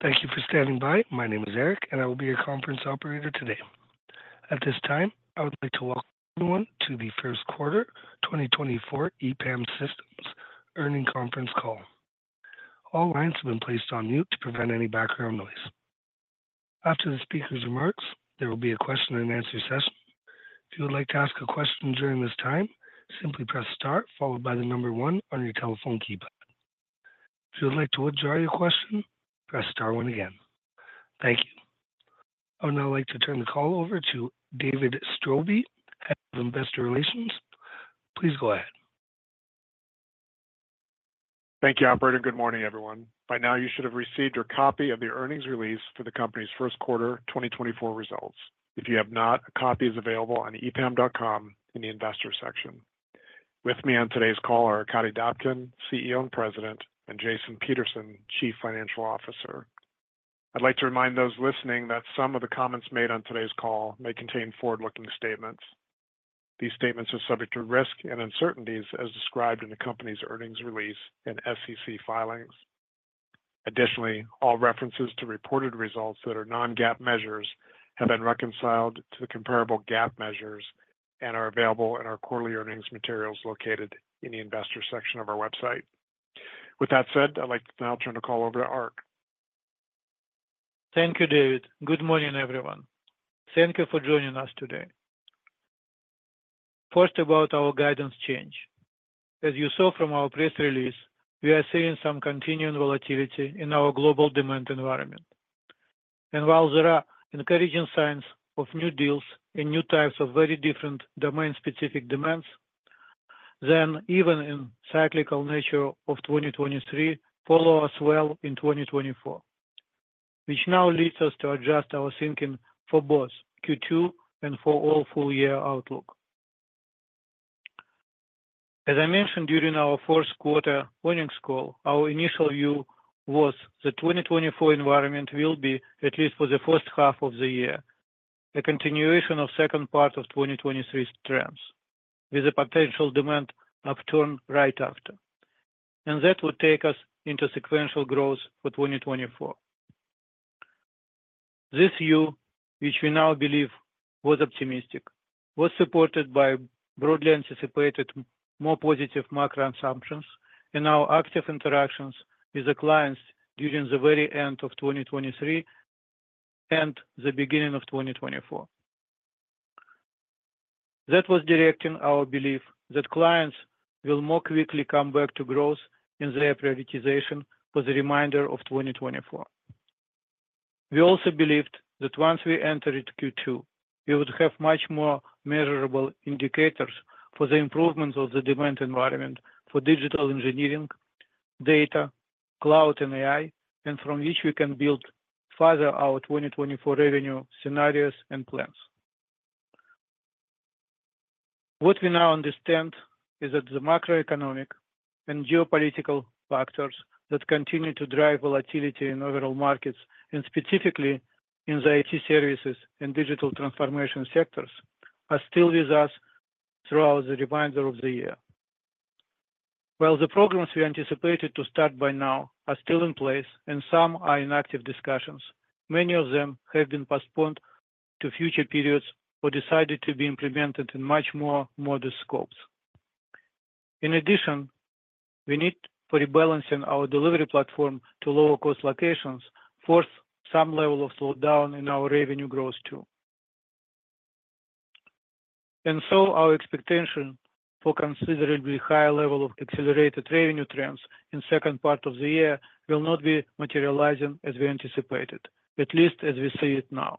Thank you for standing by. My name is Eric, and I will be your conference operator today. At this time, I would like to welcome everyone to the First Quarter 2024 EPAM Systems Earnings Conference Call. All lines have been placed on mute to prevent any background noise. After the speaker's remarks, there will be a question-and answer-session. If you would like to ask a question during this time, simply press star followed by the number one on your telephone keypad. If you would like to withdraw your question, press star one again. Thank you. I would now like to turn the call over to David Straube, Head of Investor Relations. Please go ahead. Thank you, operator. Good morning, everyone. By now, you should have received your copy of the earnings release for the company's first quarter 2024 results. If you have not, a copy is available on epam.com in the Investor section. With me on today's call are Arkadiy Dobkin, CEO and President, and Jason Peterson, Chief Financial Officer. I'd like to remind those listening that some of the comments made on today's call may contain forward-looking statements. These statements are subject to risk and uncertainties as described in the company's earnings release and SEC filings. Additionally, all references to reported results that are non-GAAP measures have been reconciled to the comparable GAAP measures and are available in our quarterly earnings materials located in the Investor section of our website. With that said, I'd like to now turn the call over to Ark. Thank you, David. Good morning, everyone. Thank you for joining us today. First, about our guidance change. As you saw from our press release, we are seeing some continuing volatility in our global demand environment. And while there are encouraging signs of new deals and new types of very different domain-specific demands, then even in cyclical nature of 2023 follow us well in 2024, which now leads us to adjust our thinking for both Q2 and for all full year outlook. As I mentioned during our first quarter earnings call, our initial view was the 2024 environment will be, at least for the first half of the year, a continuation of second part of 2023 trends, with a potential demand upturn right after. And that would take us into sequential growth for 2024. This view, which we now believe was optimistic, was supported by broadly anticipated, more positive macro assumptions in our active interactions with the clients during the very end of 2023 and the beginning of 2024. That was directing our belief that clients will more quickly come back to growth in their prioritization for the remainder of 2024. We also believed that once we entered Q2, we would have much more measurable indicators for the improvement of the demand environment for digital engineering, data, cloud, and AI, and from which we can build further our 2024 revenue scenarios and plans. What we now understand is that the macroeconomic and geopolitical factors that continue to drive volatility in overall markets, and specifically in the IT services and digital transformation sectors, are still with us throughout the remainder of the year. While the programs we anticipated to start by now are still in place and some are in active discussions, many of them have been postponed to future periods or decided to be implemented in much more modest scopes. In addition, we're rebalancing our delivery platform to lower-cost locations for some level of slowdown in our revenue growth too. And so, our expectation for considerably higher level of accelerated revenue trends in second part of the year will not be materializing as we anticipated, at least as we see it now.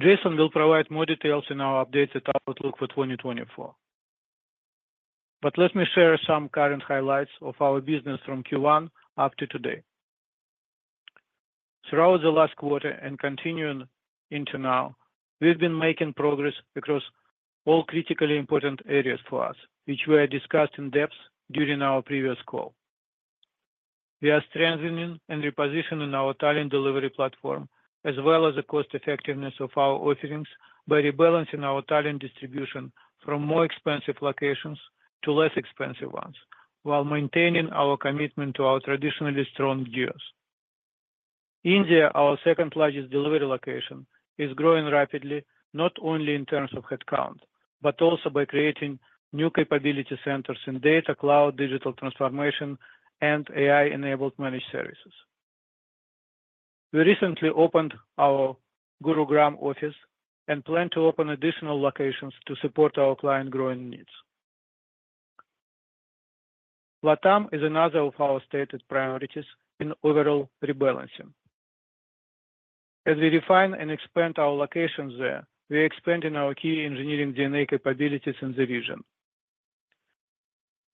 Jason will provide more details in our updated outlook for 2024. But let me share some current highlights of our business from Q1 up to today. Throughout the last quarter and continuing into now, we've been making progress across all critically important areas for us, which were discussed in depth during our previous call. We are strengthening and repositioning our talent delivery platform, as well as the cost-effectiveness of our offerings by rebalancing our talent distribution from more expensive locations to less expensive ones, while maintaining our commitment to our traditionally strong geos. India, our second-largest delivery location, is growing rapidly, not only in terms of headcount, but also by creating new capability centers in data, cloud, digital transformation, and AI-enabled managed services. We recently opened our Gurugram office and plan to open additional locations to support our client growing needs. LATAM is another of our stated priorities in overall rebalancing. As we refine and expand our locations there, we are expanding our key engineering DNA capabilities in the region.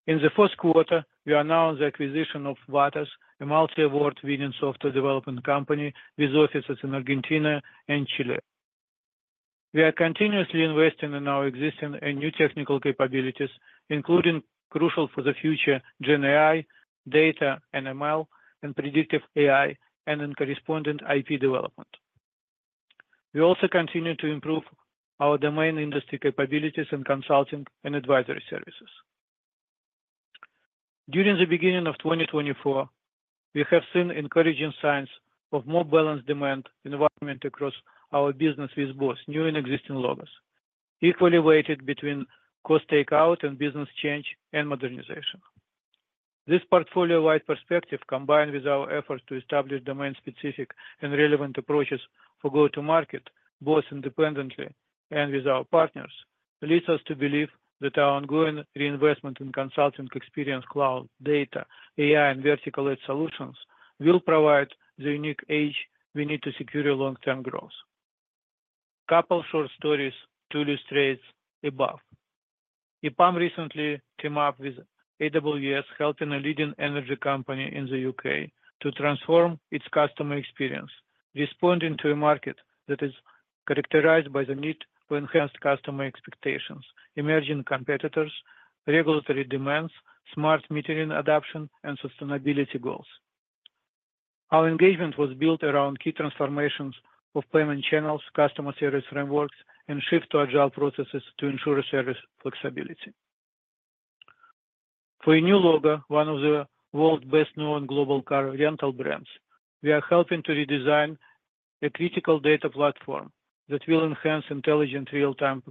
In the first quarter, we announced the acquisition of Vates, a multi-award-winning software development company with offices in Argentina and Chile. We are continuously investing in our existing and new technical capabilities, including crucial for the future GenAI, Data and ML, and predictive AI, and in corresponding IP development. We also continue to improve our domain industry capabilities in consulting and advisory services. During the beginning of 2024, we have seen encouraging signs of more balanced demand environment across our business with both new and existing logos, equally weighted between cost takeout and business change and modernization. This portfolio-wide perspective, combined with our effort to establish domain-specific and relevant approaches for go-to-market, both independently and with our partners, leads us to believe that our ongoing reinvestment in consulting, experience, cloud, data, AI, and vertical-led solutions will provide the unique edge we need to secure a long-term growth. Couple short stories to illustrate above. EPAM recently came up with AWS, helping a leading energy company in the U.K. to transform its customer experience, responding to a market that is characterized by the need to enhance customer expectations, emerging competitors, regulatory demands, smart metering adoption, and sustainability goals. Our engagement was built around key transformations of payment channels, customer service frameworks, and shift to agile processes to ensure service flexibility. For a new logo, one of the world's best-known global car rental brands, we are helping to redesign a critical data platform that will enhance intelligent real-time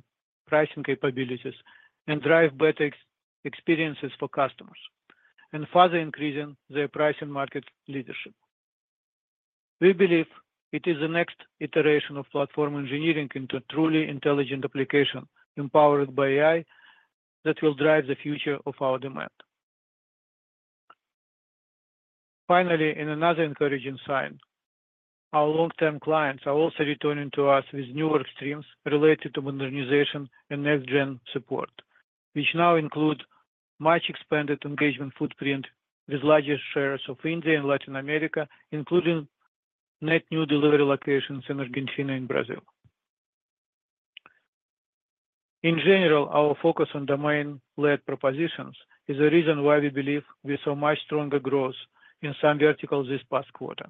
pricing capabilities and drive better experiences for customers, and further increasing their pricing market leadership. We believe it is the next iteration of platform engineering into truly intelligent application, empowered by AI, that will drive the future of our demand. Finally, in another encouraging sign, our long-term clients are also returning to us with new work streams related to modernization and next-gen support, which now include much expanded engagement footprint with larger shares of India and Latin America, including net new delivery locations in Argentina and Brazil. In general, our focus on domain-led propositions is the reason why we believe we saw much stronger growth in some verticals this past quarter.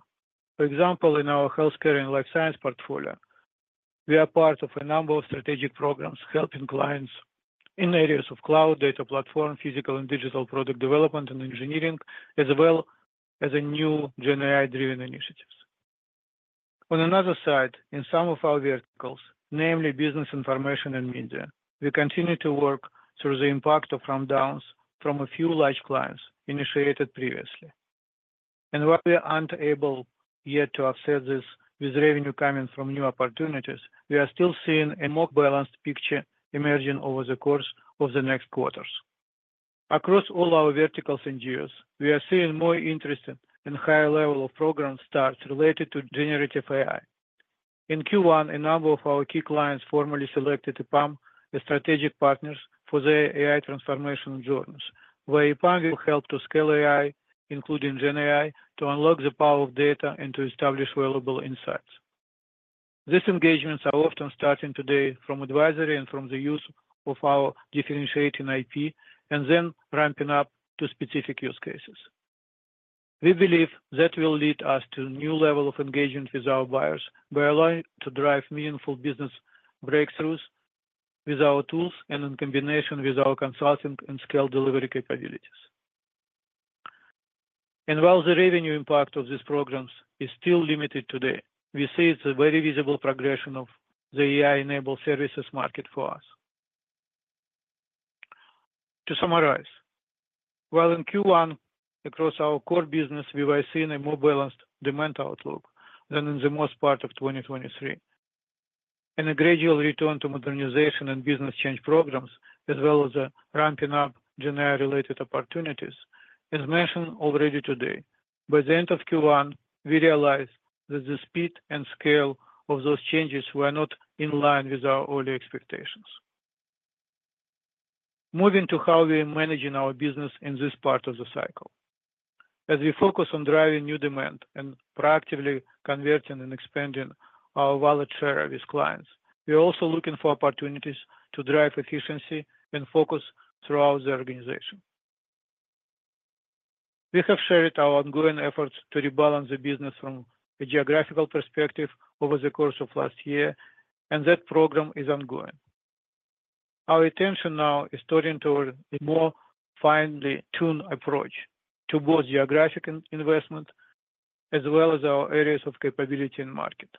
For example, in our Healthcare and Life Science portfolio, we are part of a number of strategic programs, helping clients in areas of cloud, data platform, physical and digital product development and engineering, as well as a new GenAI-driven initiatives. On another side, in some of our verticals, namely Business Information and Media, we continue to work through the impact of rundowns from a few large clients initiated previously. While we aren't able yet to offset this with revenue coming from new opportunities, we are still seeing a more balanced picture emerging over the course of the next quarters. Across all our verticals and geos, we are seeing more interest and higher level of program starts related to generative AI. In Q1, a number of our key clients formally selected EPAM as strategic partners for their AI transformation journeys, where EPAM will help to scale AI, including GenAI, to unlock the power of data and to establish valuable insights. These engagements are often starting today from advisory and from the use of our differentiating IP, and then ramping up to specific use cases. We believe that will lead us to a new level of engagement with our buyers. We are looking to drive meaningful business breakthroughs with our tools and in combination with our consulting and scale delivery capabilities. And while the revenue impact of these programs is still limited today, we see it's a very visible progression of the AI-enabled services market for us. To summarize, while in Q1 across our core business, we were seeing a more balanced demand outlook than in the most part of 2023, and a gradual return to modernization and business change programs, as well as the ramping up GenAI-related opportunities, as mentioned already today. By the end of Q1, we realized that the speed and scale of those changes were not in line with our early expectations. Moving to how we are managing our business in this part of the cycle. As we focus on driving new demand and proactively converting and expanding our wallet share with clients, we are also looking for opportunities to drive efficiency and focus throughout the organization. We have shared our ongoing efforts to rebalance the business from a geographical perspective over the course of last year, and that program is ongoing. Our attention now is turning toward a more finely tuned approach to both geographic investment, as well as our areas of capability and market,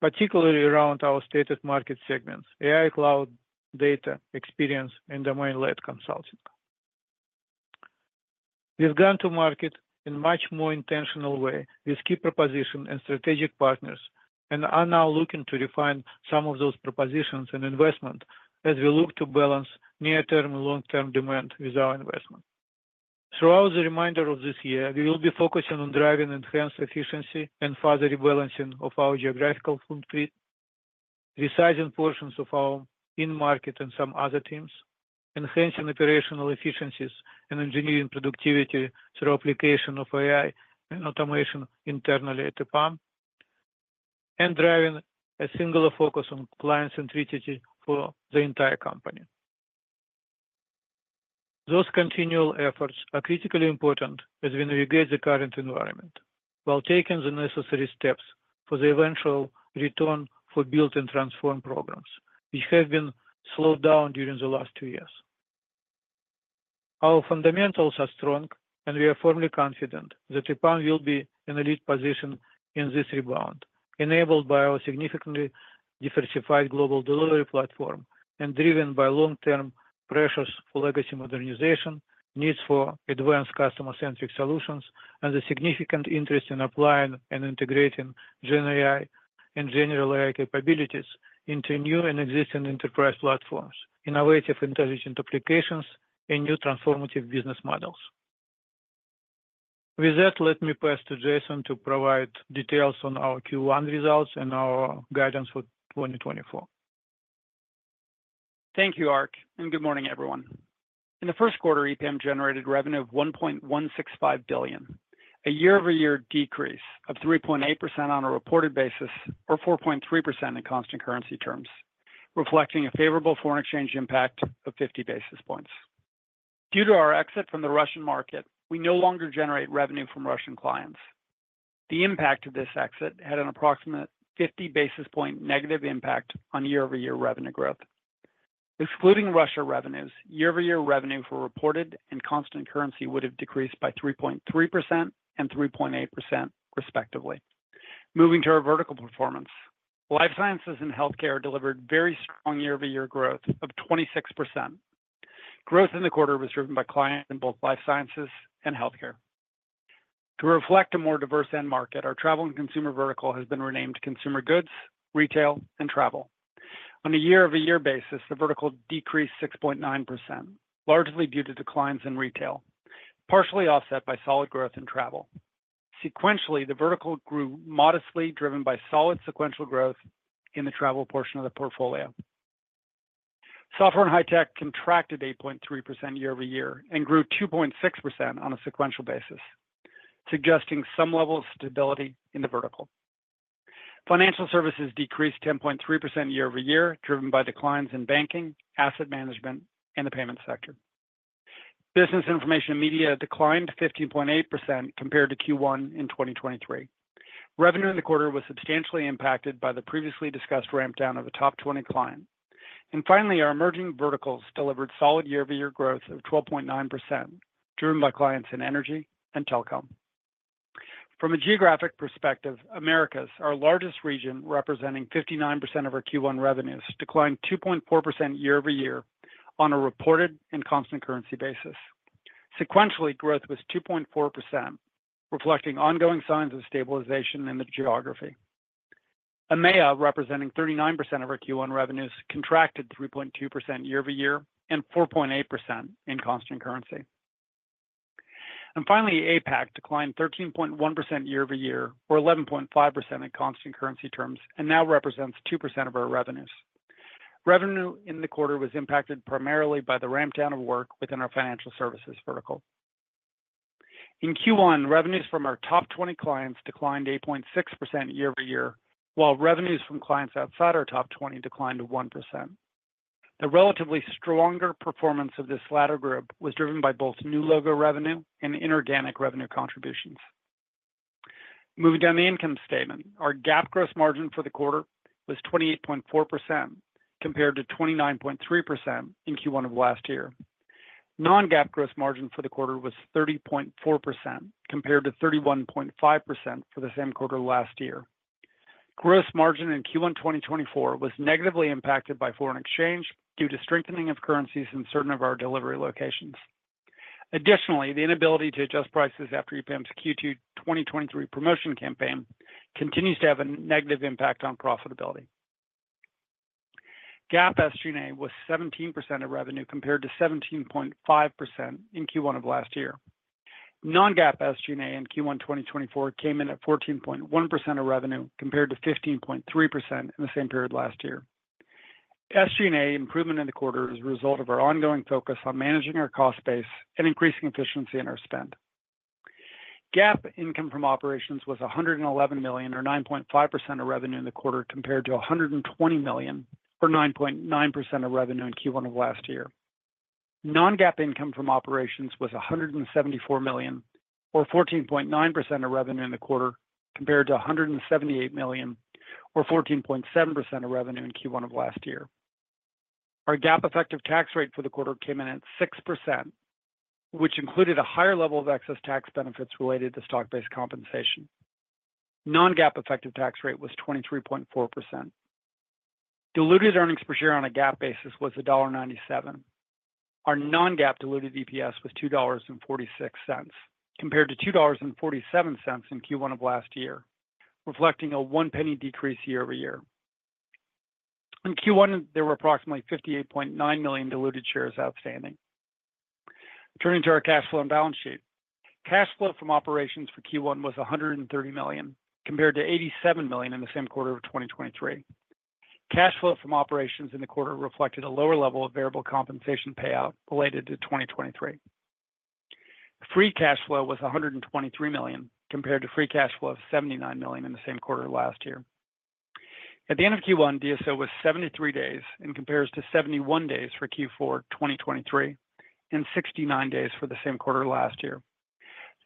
particularly around our stated market segments: AI, cloud, data, experience, and domain-led consulting. We've gone to market in a much more intentional way with key propositions and strategic partners, and are now looking to refine some of those propositions and investment as we look to balance near-term and long-term demand with our investment. Throughout the remainder of this year, we will be focusing on driving enhanced efficiency and further rebalancing of our geographical footprint, resizing portions of our in-market and some other teams, enhancing operational efficiencies and engineering productivity through application of AI and automation internally at EPAM, and driving a singular focus on client centricity for the entire company. Those continual efforts are critically important as we navigate the current environment, while taking the necessary steps for the eventual return for build and transform programs, which have been slowed down during the last two years. Our fundamentals are strong, and we are firmly confident that EPAM will be in an elite position in this rebound, enabled by our significantly diversified global delivery platform and driven by long-term pressures for legacy modernization, needs for advanced customer-centric solutions, and the significant interest in applying and integrating GenAI and general AI capabilities into new and existing enterprise platforms, innovative intelligent applications, and new transformative business models. With that, let me pass to Jason to provide details on our Q1 results and our guidance for 2024. Thank you, Ark, and good morning, everyone. In the first quarter, EPAM generated revenue of $1.165 billion, a year-over-year decrease of 3.8% on a reported basis, or 4.3% in constant currency terms, reflecting a favorable foreign exchange impact of 50 basis points. Due to our exit from the Russian market, we no longer generate revenue from Russian clients. The impact of this exit had an approximate 50 basis point negative impact on year-over-year revenue growth. Excluding Russia revenues, year-over-year revenue for reported and constant currency would have decreased by 3.3% and 3.8% respectively. Moving to our vertical performance. Life Sciences and Healthcare delivered very strong year-over-year growth of 26%. Growth in the quarter was driven by clients in both Life Sciences and Healthcare. To reflect a more diverse end market, our Travel and Consumer vertical has been renamed Consumer Goods, Retail and Travel. On a year-over-year basis, the vertical decreased 6.9%, largely due to declines in Retail, partially offset by solid growth in Travel. Sequentially, the vertical grew modestly, driven by solid sequential growth in the Travel portion of the portfolio. Software & Hi-Tech contracted 8.3% year-over-year and grew 2.6% on a sequential basis, suggesting some level of stability in the vertical. Financial Services decreased 10.3% year-over-year, driven by declines in Banking, Asset Management, and the Payment sector. Business Information and Media declined 15.8% compared to Q1 in 2023. Revenue in the quarter was substantially impacted by the previously discussed ramp down of a top 20 client. And finally, our Emerging Verticals delivered solid year-over-year growth of 12.9%, driven by clients in Energy and Telecom. From a geographic perspective, Americas, our largest region, representing 59% of our Q1 revenues, declined 2.4% year-over-year on a reported and constant currency basis. Sequentially, growth was 2.4%, reflecting ongoing signs of stabilization in the geography. EMEA, representing 39% of our Q1 revenues, contracted 3.2% year-over-year and 4.8% in constant currency. And finally, APAC declined 13.1% year-over-year or 11.5% in constant currency terms, and now represents 2% of our revenues. Revenue in the quarter was impacted primarily by the ramp down of work within our Financial Services vertical. In Q1, revenues from our top 20 clients declined 8.6% year-over-year, while revenues from clients outside our top 20 declined to 1%. The relatively stronger performance of this latter group was driven by both new logo revenue and inorganic revenue contributions. Moving down the income statement, our GAAP gross margin for the quarter was 28.4%, compared to 29.3% in Q1 of last year. Non-GAAP gross margin for the quarter was 30.4%, compared to 31.5% for the same quarter last year. Gross margin in Q1 2024 was negatively impacted by foreign exchange due to strengthening of currencies in certain of our delivery locations. Additionally, the inability to adjust prices after EPAM's Q2 2023 promotion campaign continues to have a negative impact on profitability. GAAP SG&A was 17% of revenue, compared to 17.5% in Q1 of last year. Non-GAAP SG&A in Q1 2024 came in at 14.1% of revenue, compared to 15.3% in the same period last year. SG&A improvement in the quarter is a result of our ongoing focus on managing our cost base and increasing efficiency in our spend. GAAP income from operations was $111 million, or 9.5% of revenue in the quarter, compared to $120 million, or 9.9% of revenue in Q1 of last year. Non-GAAP income from operations was $174 million, or 14.9% of revenue in the quarter, compared to $178 million, or 14.7% of revenue in Q1 of last year. Our GAAP effective tax rate for the quarter came in at 6%, which included a higher level of excess tax benefits related to stock-based compensation. Non-GAAP effective tax rate was 23.4%. Diluted earnings per share on a GAAP basis was $1.97. Our non-GAAP diluted EPS was $2.46, compared to $2.47 in Q1 of last year, reflecting a $0.01 decrease year-over-year. In Q1, there were approximately 58.9 million diluted shares outstanding. Turning to our cash flow and balance sheet. Cash flow from operations for Q1 was $130 million, compared to $87 million in the same quarter of 2023. Cash flow from operations in the quarter reflected a lower level of variable compensation payout related to 2023. Free cash flow was $123 million, compared to free cash flow of $79 million in the same quarter last year. At the end of Q1, DSO was 73 days, and compares to 71 days for Q4 2023, and 69 days for the same quarter last year.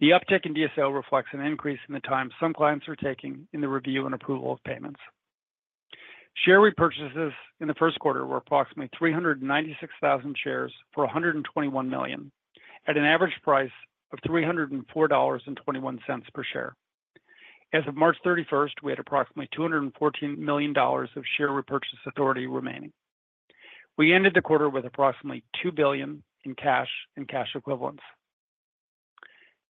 The uptick in DSO reflects an increase in the time some clients are taking in the review and approval of payments. Share repurchases in the first quarter were approximately 396,000 shares for $121 million, at an average price of $304.21 per share. As of March 31st, we had approximately $214 million of share repurchase authority remaining. We ended the quarter with approximately $2 billion in cash and cash equivalents.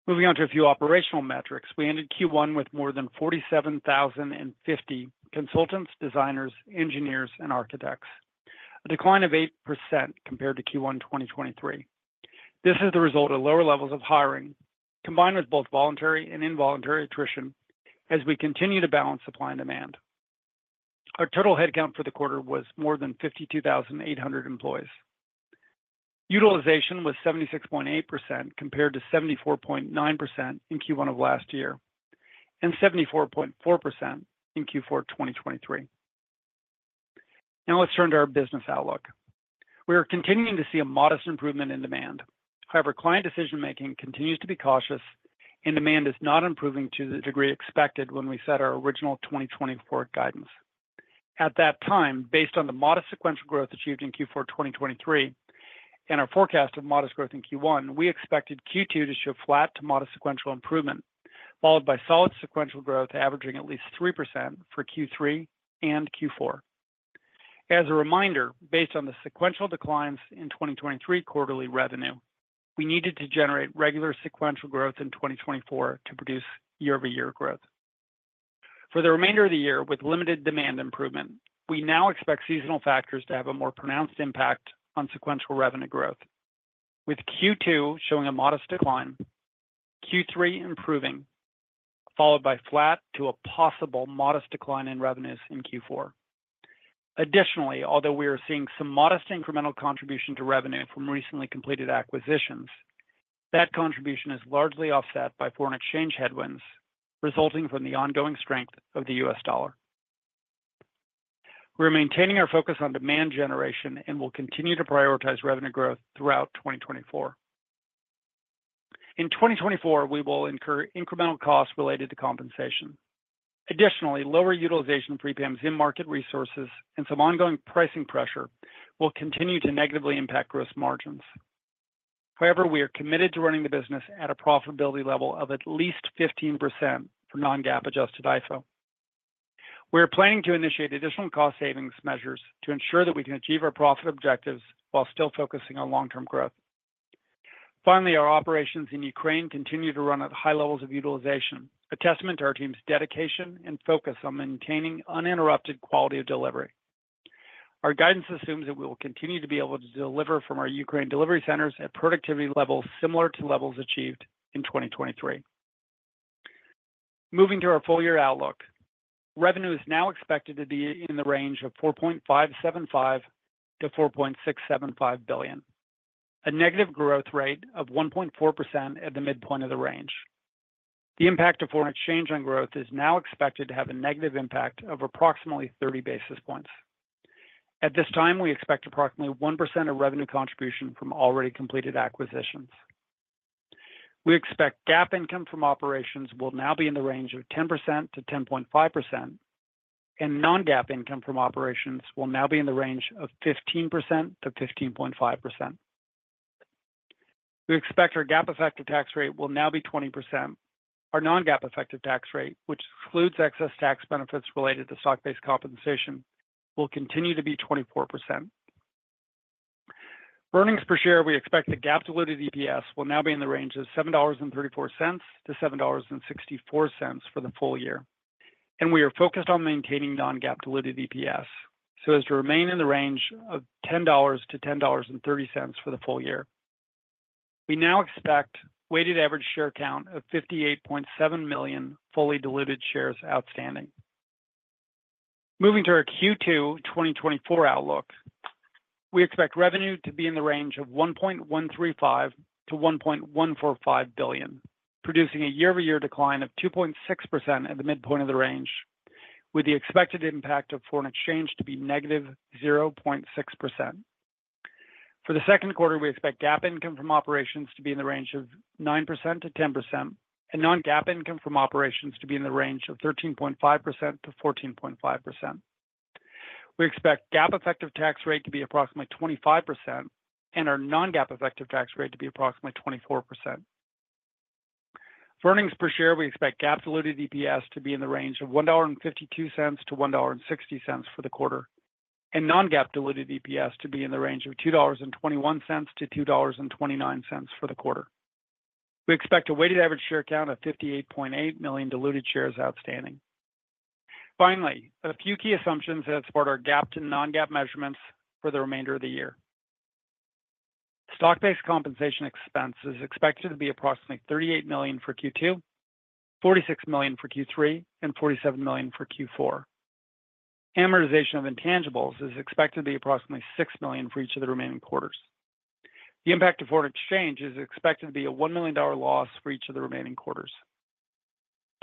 Moving on to a few operational metrics. We ended Q1 with more than 47,050 consultants, designers, engineers, and architects, a decline of 8% compared to Q1 2023. This is the result of lower levels of hiring, combined with both voluntary and involuntary attrition, as we continue to balance supply and demand. Our total headcount for the quarter was more than 52,800 employees. Utilization was 76.8%, compared to 74.9% in Q1 of last year, and 74.4% in Q4 2023. Now, let's turn to our business outlook. We are continuing to see a modest improvement in demand. However, client decision-making continues to be cautious, and demand is not improving to the degree expected when we set our original 2024 guidance. At that time, based on the modest sequential growth achieved in Q4 2023 and our forecast of modest growth in Q1, we expected Q2 to show flat to modest sequential improvement, followed by solid sequential growth, averaging at least 3% for Q3 and Q4. As a reminder, based on the sequential declines in 2023 quarterly revenue, we needed to generate regular sequential growth in 2024 to produce year-over-year growth. For the remainder of the year, with limited demand improvement, we now expect seasonal factors to have a more pronounced impact on sequential revenue growth, with Q2 showing a modest decline, Q3 improving, followed by flat to a possible modest decline in revenues in Q4. Additionally, although we are seeing some modest incremental contribution to revenue from recently completed acquisitions, that contribution is largely offset by foreign exchange headwinds resulting from the ongoing strength of the US dollar. We're maintaining our focus on demand generation and will continue to prioritize revenue growth throughout 2024. In 2024, we will incur incremental costs related to compensation. Additionally, lower utilization of prepayments in-market resources and some ongoing pricing pressure will continue to negatively impact gross margins. However, we are committed to running the business at a profitability level of at least 15% for non-GAAP adjusted IFO. We are planning to initiate additional cost savings measures to ensure that we can achieve our profit objectives while still focusing on long-term growth. Finally, our operations in Ukraine continue to run at high levels of utilization, a testament to our team's dedication and focus on maintaining uninterrupted quality of delivery. Our guidance assumes that we will continue to be able to deliver from our Ukraine delivery centers at productivity levels similar to levels achieved in 2023. Moving to our full-year outlook. Revenue is now expected to be in the range of $4.575 billion-$4.675 billion, a negative growth rate of -1.4% at the midpoint of the range. The impact of foreign exchange on growth is now expected to have a negative impact of approximately 30 basis points. At this time, we expect approximately 1% of revenue contribution from already completed acquisitions. We expect GAAP income from operations will now be in the range of 10%-10.5%, and non-GAAP income from operations will now be in the range of 15%-15.5%. We expect our GAAP effective tax rate will now be 20%. Our non-GAAP effective tax rate, which excludes excess tax benefits related to stock-based compensation, will continue to be 24%. Earnings per share, we expect the GAAP diluted EPS will now be in the range of $7.34-$7.64 for the full year, and we are focused on maintaining non-GAAP diluted EPS so as to remain in the range of $10-$10.30 for the full year. We now expect weighted average share count of 58.7 million fully diluted shares outstanding. Moving to our Q2 2024 outlook, we expect revenue to be in the range of $1.135-$1.145 billion, producing a year-over-year decline of 2.6% at the midpoint of the range, with the expected impact of foreign exchange to be -0.6%. For the second quarter, we expect GAAP income from operations to be in the range of 9%-10%, and non-GAAP income from operations to be in the range of 13.5%-14.5%. We expect GAAP effective tax rate to be approximately 25% and our non-GAAP effective tax rate to be approximately 24%. For earnings per share, we expect GAAP diluted EPS to be in the range of $1.52-$1.60 for the quarter, and non-GAAP diluted EPS to be in the range of $2.21-$2.29 for the quarter. We expect a weighted average share count of 58.8 million diluted shares outstanding. Finally, a few key assumptions that support our GAAP to non-GAAP measurements for the remainder of the year. Stock-based compensation expense is expected to be approximately $38 million for Q2, $46 million for Q3, and $47 million for Q4. Amortization of intangibles is expected to be approximately $6 million for each of the remaining quarters. The impact of foreign exchange is expected to be a $1 million loss for each of the remaining quarters.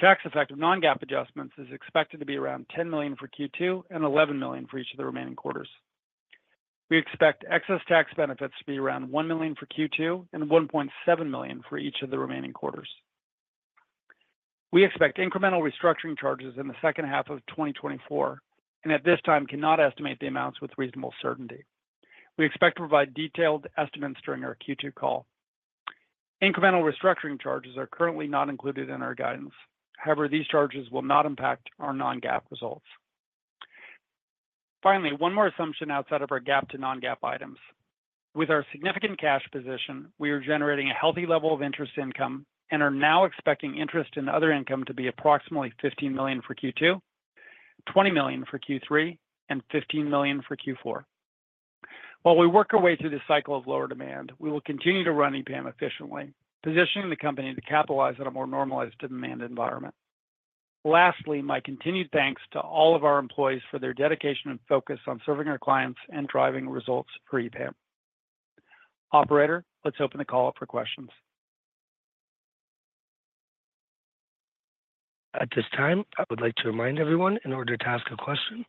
Tax effect of non-GAAP adjustments is expected to be around $10 million for Q2 and $11 million for each of the remaining quarters. We expect excess tax benefits to be around $1 million for Q2 and $1.7 million for each of the remaining quarters. We expect incremental restructuring charges in the second half of 2024, and at this time, cannot estimate the amounts with reasonable certainty. We expect to provide detailed estimates during our Q2 call. Incremental restructuring charges are currently not included in our guidance. However, these charges will not impact our non-GAAP results. Finally, one more assumption outside of our GAAP to non-GAAP items. With our significant cash position, we are generating a healthy level of interest income and are now expecting interest in other income to be approximately $15 million for Q2, $20 million for Q3, and $15 million for Q4. While we work our way through this cycle of lower demand, we will continue to run EPAM efficiently, positioning the company to capitalize on a more normalized demand environment. Lastly, my continued thanks to all of our employees for their dedication and focus on serving our clients and driving results for EPAM. Operator, let's open the call up for questions. At this time, I would like to remind everyone, in order to ask a question,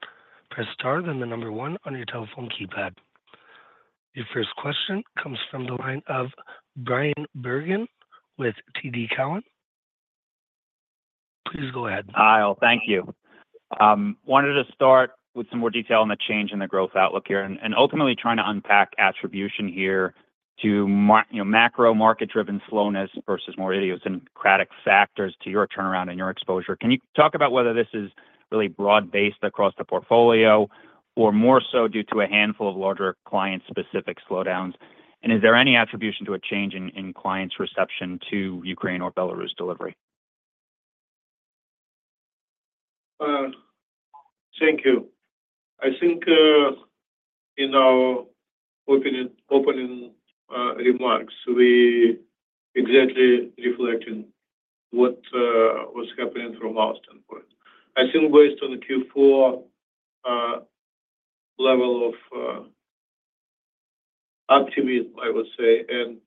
press star, then the number one on your telephone keypad. Your first question comes from the line of Bryan Bergin with TD Cowen. Please go ahead. Hi, all. Thank you. Wanted to start with some more detail on the change in the growth outlook here, and ultimately trying to unpack attribution here to, you know, macro market-driven slowness versus more idiosyncratic factors to your turnaround and your exposure. Can you talk about whether this is really broad-based across the portfolio or more so due to a handful of larger client-specific slowdowns? And is there any attribution to a change in clients' reception to Ukraine or Belarus delivery? Thank you. I think in our opening remarks, we exactly reflecting what was happening from our standpoint. I think based on the Q4 level of optimism, I would say, and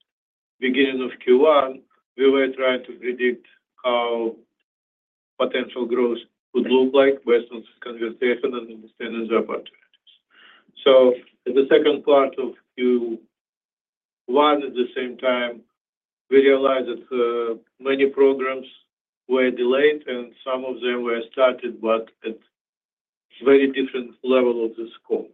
beginning of Q1, we were trying to predict how potential growth would look like based on conversation and understanding the opportunities. So, in the second part of Q1, at the same time, we realized that many programs were delayed and some of them were started, but at very different level of the scope.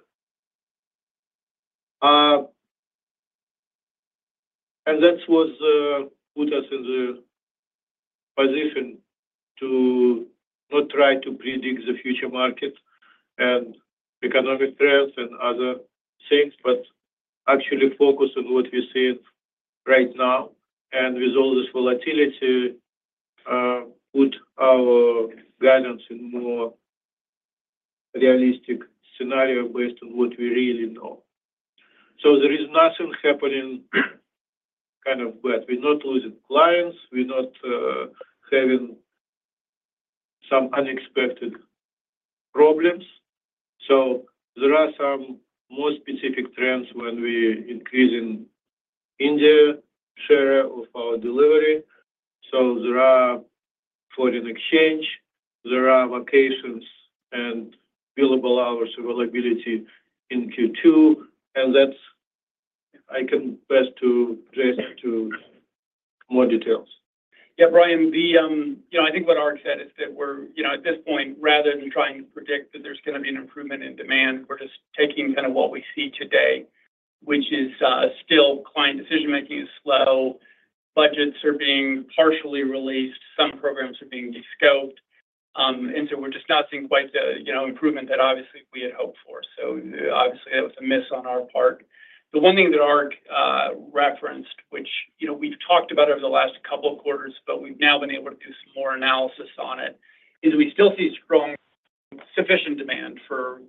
And that was put us in the position to not try to predict the future market and economic trends and other things, but actually focus on what we're seeing right now and with all this volatility, put our guidance in more realistic scenario based on what we really know. So, there is nothing happening kind of bad. We're not losing clients, we're not having some unexpected problems. So, there are some more specific trends when we increase in India share of our delivery. So, there are foreign exchange, there are vacations and billable hours availability in Q2, and that's... I can best to address to more details. Yeah, Brian, you know, I think what Ark said is that we're, you know, at this point, rather than trying to predict that there's going to be an improvement in demand, we're just taking kind of what we see today, which is still client decision-making is slow, budgets are being partially released, some programs are being descoped. And so, we're just not seeing quite the, you know, improvement that obviously we had hoped for. So obviously, it was a miss on our part. The one thing that Ark referenced, which, you know, we've talked about over the last couple of quarters, but we've now been able to do some more analysis on it, is we still see strong, sufficient demand for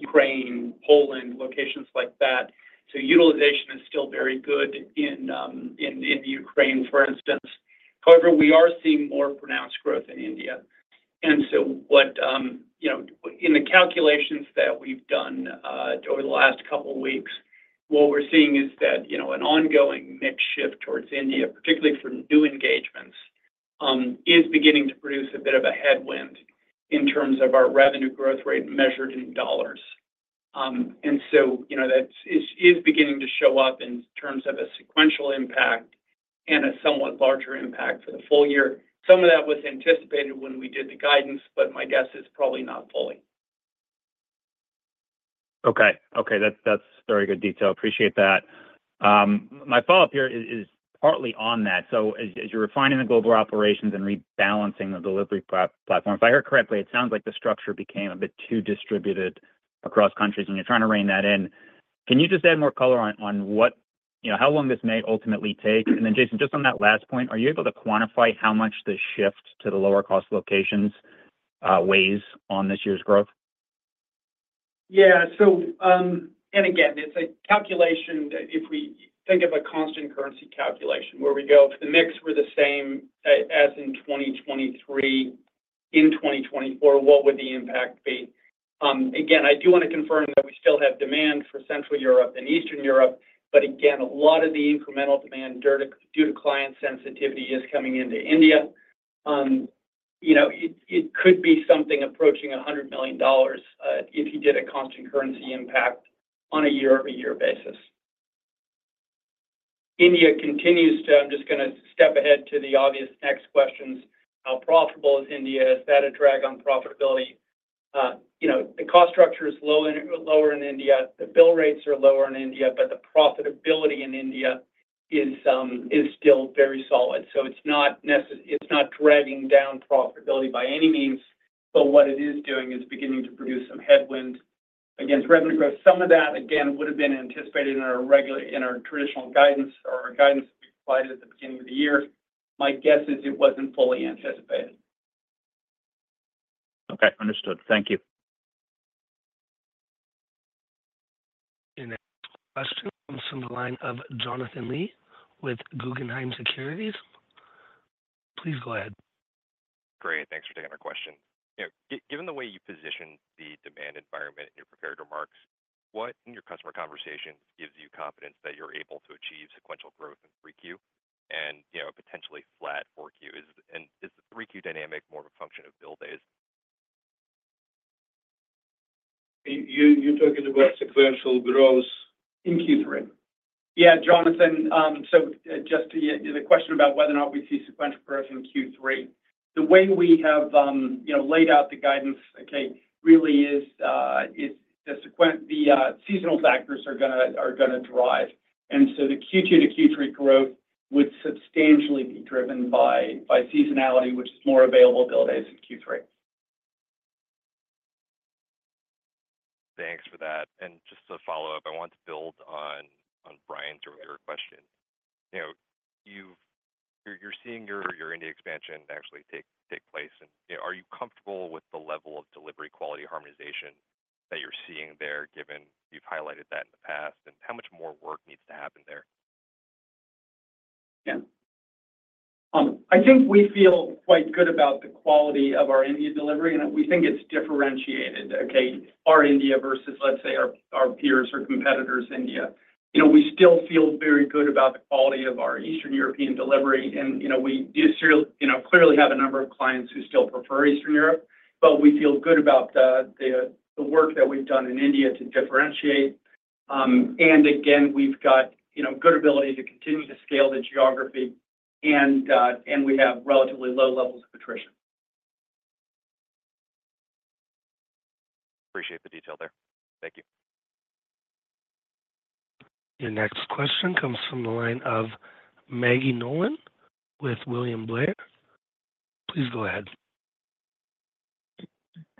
Ukraine, Poland, locations like that. So, utilization is still very good in Ukraine, for instance. However, we are seeing more pronounced growth in India. So what, you know, in the calculations that we've done, over the last couple of weeks, what we're seeing is that, you know, an ongoing mix shift towards India, particularly for new engagements, is beginning to produce a bit of a headwind in terms of our revenue growth rate measured in U.S. dollars. And so, you know, that's, it's - is beginning to show up in terms of a sequential impact and a somewhat larger impact for the full year. Some of that was anticipated when we did the guidance, but my guess is probably not fully. Okay. Okay, that's very good detail. Appreciate that. My follow-up here is partly on that. So, as you're refining the global operations and rebalancing the delivery platform, if I heard correctly, it sounds like the structure became a bit too distributed across countries, and you're trying to rein that in. Can you just add more color on what you know, how long this may ultimately take? And then, Jason, just on that last point, are you able to quantify how much the shift to the lower-cost locations weighs on this year's growth?... Yeah. So, and again, it's a calculation that if we think of a constant currency calculation, where we go, if the mix were the same as in 2023, in 2024, what would the impact be? Again, I do want to confirm that we still have demand for Central Europe and Eastern Europe, but again, a lot of the incremental demand due to client sensitivity is coming into India. 'You know, it could be something approaching $100 million, if you did a constant currency impact on a year-over-year basis. India continues to - I'm just going to step ahead to the obvious next questions: How profitable is India? Is that a drag on profitability? You know, the cost structure is lower in India. The bill rates are lower in India, but the profitability in India is still very solid. So, it's not necessarily dragging down profitability by any means, but what it is doing is beginning to produce some headwind against revenue growth. Some of that, again, would have been anticipated in our traditional guidance or our guidance we provided at the beginning of the year. My guess is it wasn't fully anticipated. Okay, understood. Thank you. Next question comes from the line of Jonathan Lee with Guggenheim Securities. Please go ahead. Great, thanks for taking our question. You know, given the way you positioned the demand environment in your prepared remarks, what in your customer conversations gives you confidence that you're able to achieve sequential growth in 3Q and, you know, potentially flat 4Q? Is the 3Q dynamic more of a function of bill days? You're talking about sequential growth in Q3? Yeah, Jonathan. So just to your question about whether or not we see sequential growth in Q3. The way we have, you know, laid out the guidance, okay, really is the seasonal factors are going to drive. And so the Q2 to Q3 growth would substantially be driven by seasonality, which is more available bill days in Q3. Thanks for that. Just to follow up, I want to build on Bryan's earlier question. You know, you're seeing your India expansion actually take place and, you know, are you comfortable with the level of delivery quality harmonization that you're seeing there, given you've highlighted that in the past, and how much more work needs to happen there? Yeah. I think we feel quite good about the quality of our India delivery, and we think it's differentiated, okay? Our India versus, let's say, our peers or competitors. You know, we still feel very good about the quality of our Eastern European delivery, and, you know, we do still, you know, clearly have a number of clients who still prefer Eastern Europe. But we feel good about the work that we've done in India to differentiate. And again, we've got, you know, good ability to continue to scale the geography, and we have relatively low levels of attrition. Appreciate the detail there. Thank you. Your next question comes from the line of Maggie Nolan with William Blair. Please go ahead.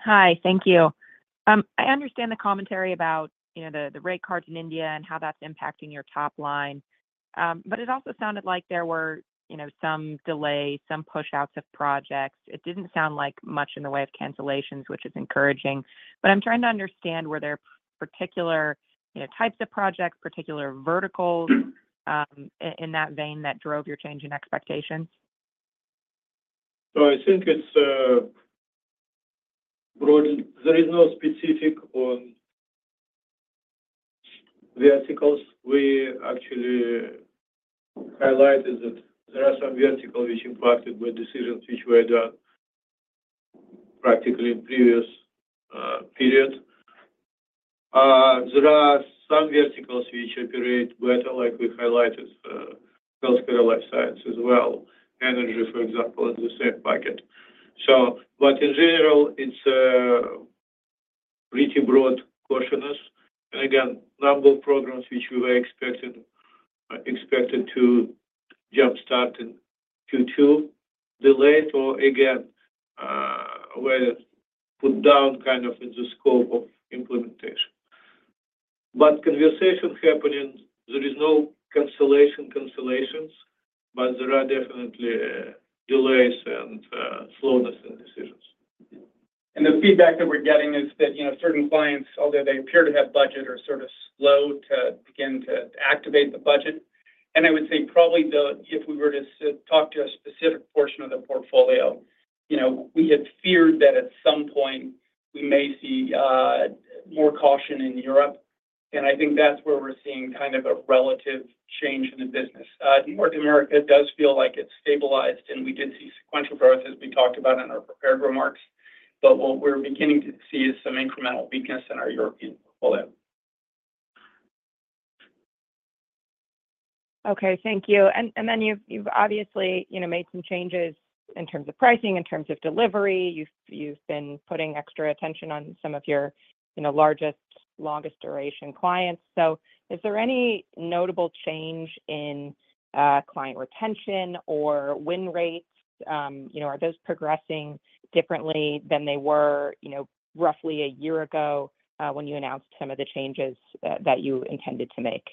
Hi, thank you. I understand the commentary about, you know, the, the rate cards in India and how that's impacting your top line. But it also sounded like there were, you know, some delays, some push-outs of projects. It didn't sound like much in the way of cancellations, which is encouraging. But I'm trying to understand, were there particular, you know, types of projects, particular verticals, in that vein, that drove your change in expectations? So, I think it's broadly, there is no specific on verticals. We actually highlighted that there are some vertical which impacted by decisions which were done practically in previous period. There are some verticals which operate better, like we highlighted, Healthcare, Life Science as well, Energy, for example, in the same bucket. So, but in general, it's a pretty broad cautiousness. And again, number of programs which we were expected, expected to jump-start in Q2, delayed or again were put down kind of in the scope of implementation. But conversation happening, there is no cancellation, cancellations, but there are definitely delays and slowness in decisions. The feedback that we're getting is that, you know, certain clients, although they appear to have budget, are sort of slow to begin to activate the budget. I would say probably if we were to talk to a specific portion of the portfolio, you know, we had feared that at some point we may see more caution in Europe, and I think that's where we're seeing kind of a relative change in the business. North America does feel like it's stabilized, and we did see sequential growth, as we talked about in our prepared remarks. But what we're beginning to see is some incremental weakness in our European portfolio. Okay, thank you. And, and then you've, you've obviously, you know, made some changes in terms of pricing, in terms of delivery. You've, you've been putting extra attention on some of your, you know, largest, longest duration clients. So, is there any notable change in client retention or win rates? You know, are those progressing differently than they were, you know, roughly a year ago, when you announced some of the changes that, that you intended to make? ...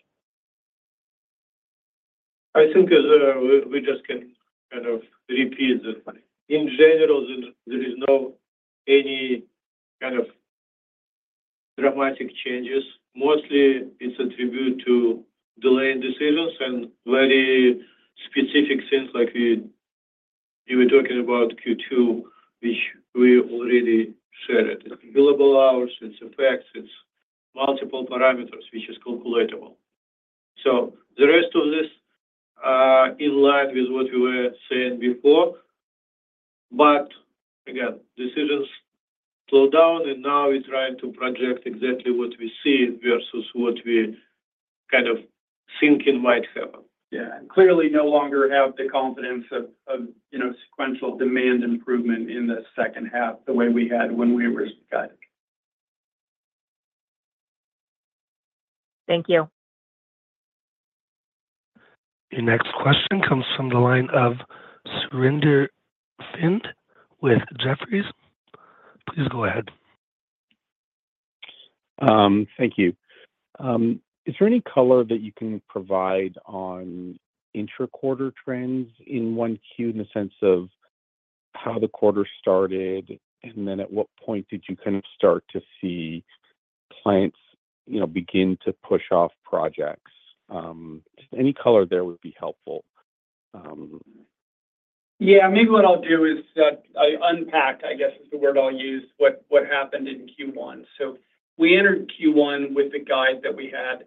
I think, we just can kind of repeat that. In general, there is no any kind of dramatic changes. Mostly, it's attributed to delayed decisions and very specific things like we were talking about Q2, which we already said it. It's billable hours, it's effects, it's multiple parameters, which is calculatable. So, the rest of this, in line with what we were saying before, but again, decisions slow down, and now we're trying to project exactly what we see versus what we kind of thinking might happen. Yeah. Clearly, no longer have the confidence of, of, you know, sequential demand improvement in the second half, the way we had when we were guiding. Thank you. Your next question comes from the line of Surinder Thind with Jefferies. Please go ahead. Thank you. Is there any color that you can provide on intra-quarter trends in 1Q, in the sense of how the quarter started? And then, at what point did you kind of start to see clients, you know, begin to push off projects? Just any color there would be helpful. Yeah, maybe what I'll do is, I unpack, I guess, is the word I'll use, what happened in Q1. So, we entered Q1 with the guide that we had,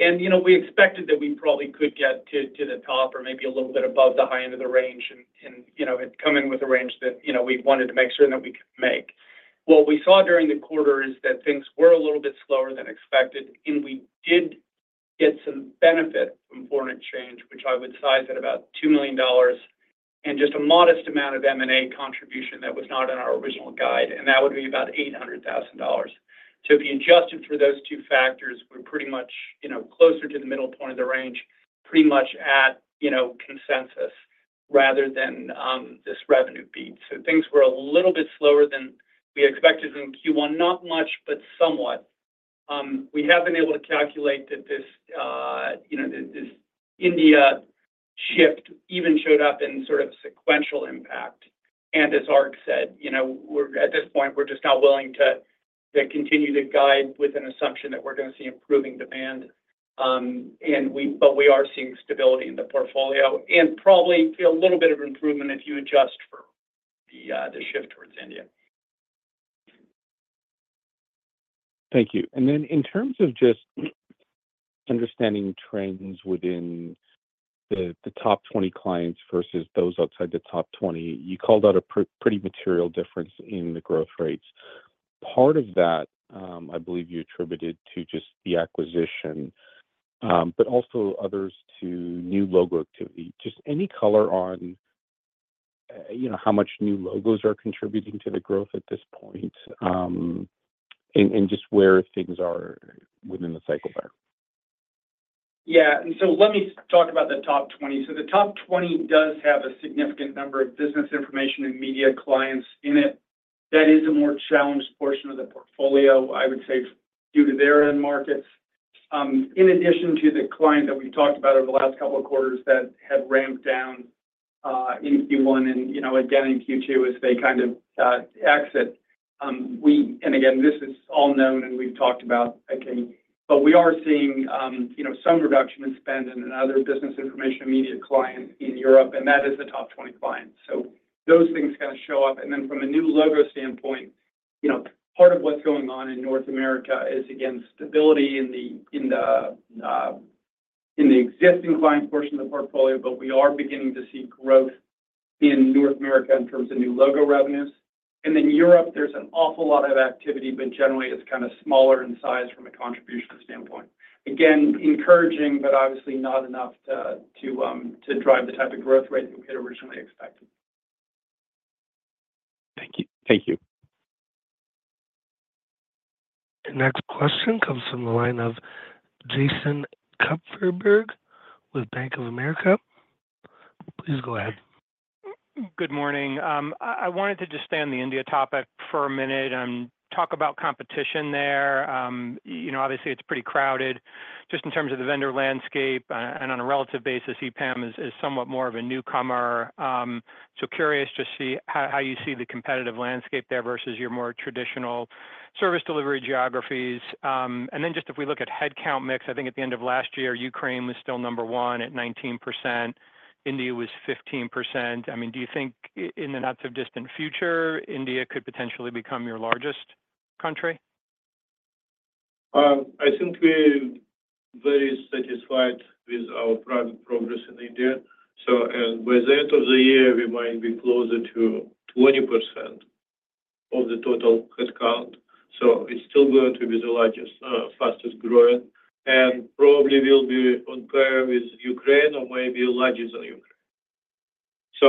and, you know, we expected that we probably could get to the top or maybe a little bit above the high end of the range and, you know, had come in with a range that, you know, we wanted to make sure that we could make. What we saw during the quarter is that things were a little bit slower than expected, and we did get some benefit from foreign exchange, which I would size at about $2 million, and just a modest amount of M&A contribution that was not in our original guide, and that would be about $800,000. So, if you adjusted for those two factors, we're pretty much, you know, closer to the middle point of the range, pretty much at, you know, consensus, rather than this revenue beat. So, things were a little bit slower than we expected in Q1. Not much, but somewhat. We have been able to calculate that this, you know, this, this India shift even showed up in sort of sequential impact. And as Ark said, you know, we're at this point, we're just not willing to continue to guide with an assumption that we're going to see improving demand. But we are seeing stability in the portfolio, and probably a little bit of improvement if you adjust for the, the shift towards India. Thank you. Then, in terms of just understanding trends within the top 20 clients versus those outside the top 20, you called out a pretty material difference in the growth rates. Part of that, I believe you attributed to just the acquisition, but also others to new logo activity. Just any color on, you know, how much new logos are contributing to the growth at this point, and just where things are within the cycle there? Yeah. And so let me talk about the top 20. So, the top 20 does have a significant number of Business Information and Media clients in it. That is a more challenged portion of the portfolio, I would say, due to their end markets. In addition to the client that we've talked about over the last couple of quarters that had ramped down in Q1, and, you know, again, in Q2 as they kind of exit. And again, this is all known, and we've talked about, okay. But we are seeing, you know, some reduction in spend in other Business Information and Media clients in Europe, and that is the top 20 clients. So, those things kind of show up. And then from a new logo standpoint, you know, part of what's going on in North America is, again, stability in the existing clients portion of the portfolio, but we are beginning to see growth in North America in terms of new logo revenues. And then Europe, there's an awful lot of activity, but generally, it's kind of smaller in size from a contribution standpoint. Again, encouraging, but obviously not enough to drive the type of growth rate that we had originally expected. Thank you. Thank you. The next question comes from the line of Jason Kupferberg with Bank of America. Please go ahead. Good morning. I wanted to just stay on the India topic for a minute and talk about competition there. You know, obviously, it's pretty crowded just in terms of the vendor landscape, and on a relative basis, EPAM is somewhat more of a newcomer. So, curious to see how you see the competitive landscape there versus your more traditional service delivery geographies. And then just if we look at headcount mix, I think at the end of last year, Ukraine was still number one at 19%. India was 15%. I mean, do you think in the not-so-distant future, India could potentially become your largest country? I think we're very satisfied with our private progress in India, so, and by the end of the year, we might be closer to 20% of the total headcount. So, it's still going to be the largest, fastest-growing, and probably will be on par with Ukraine or maybe larger than Ukraine. So,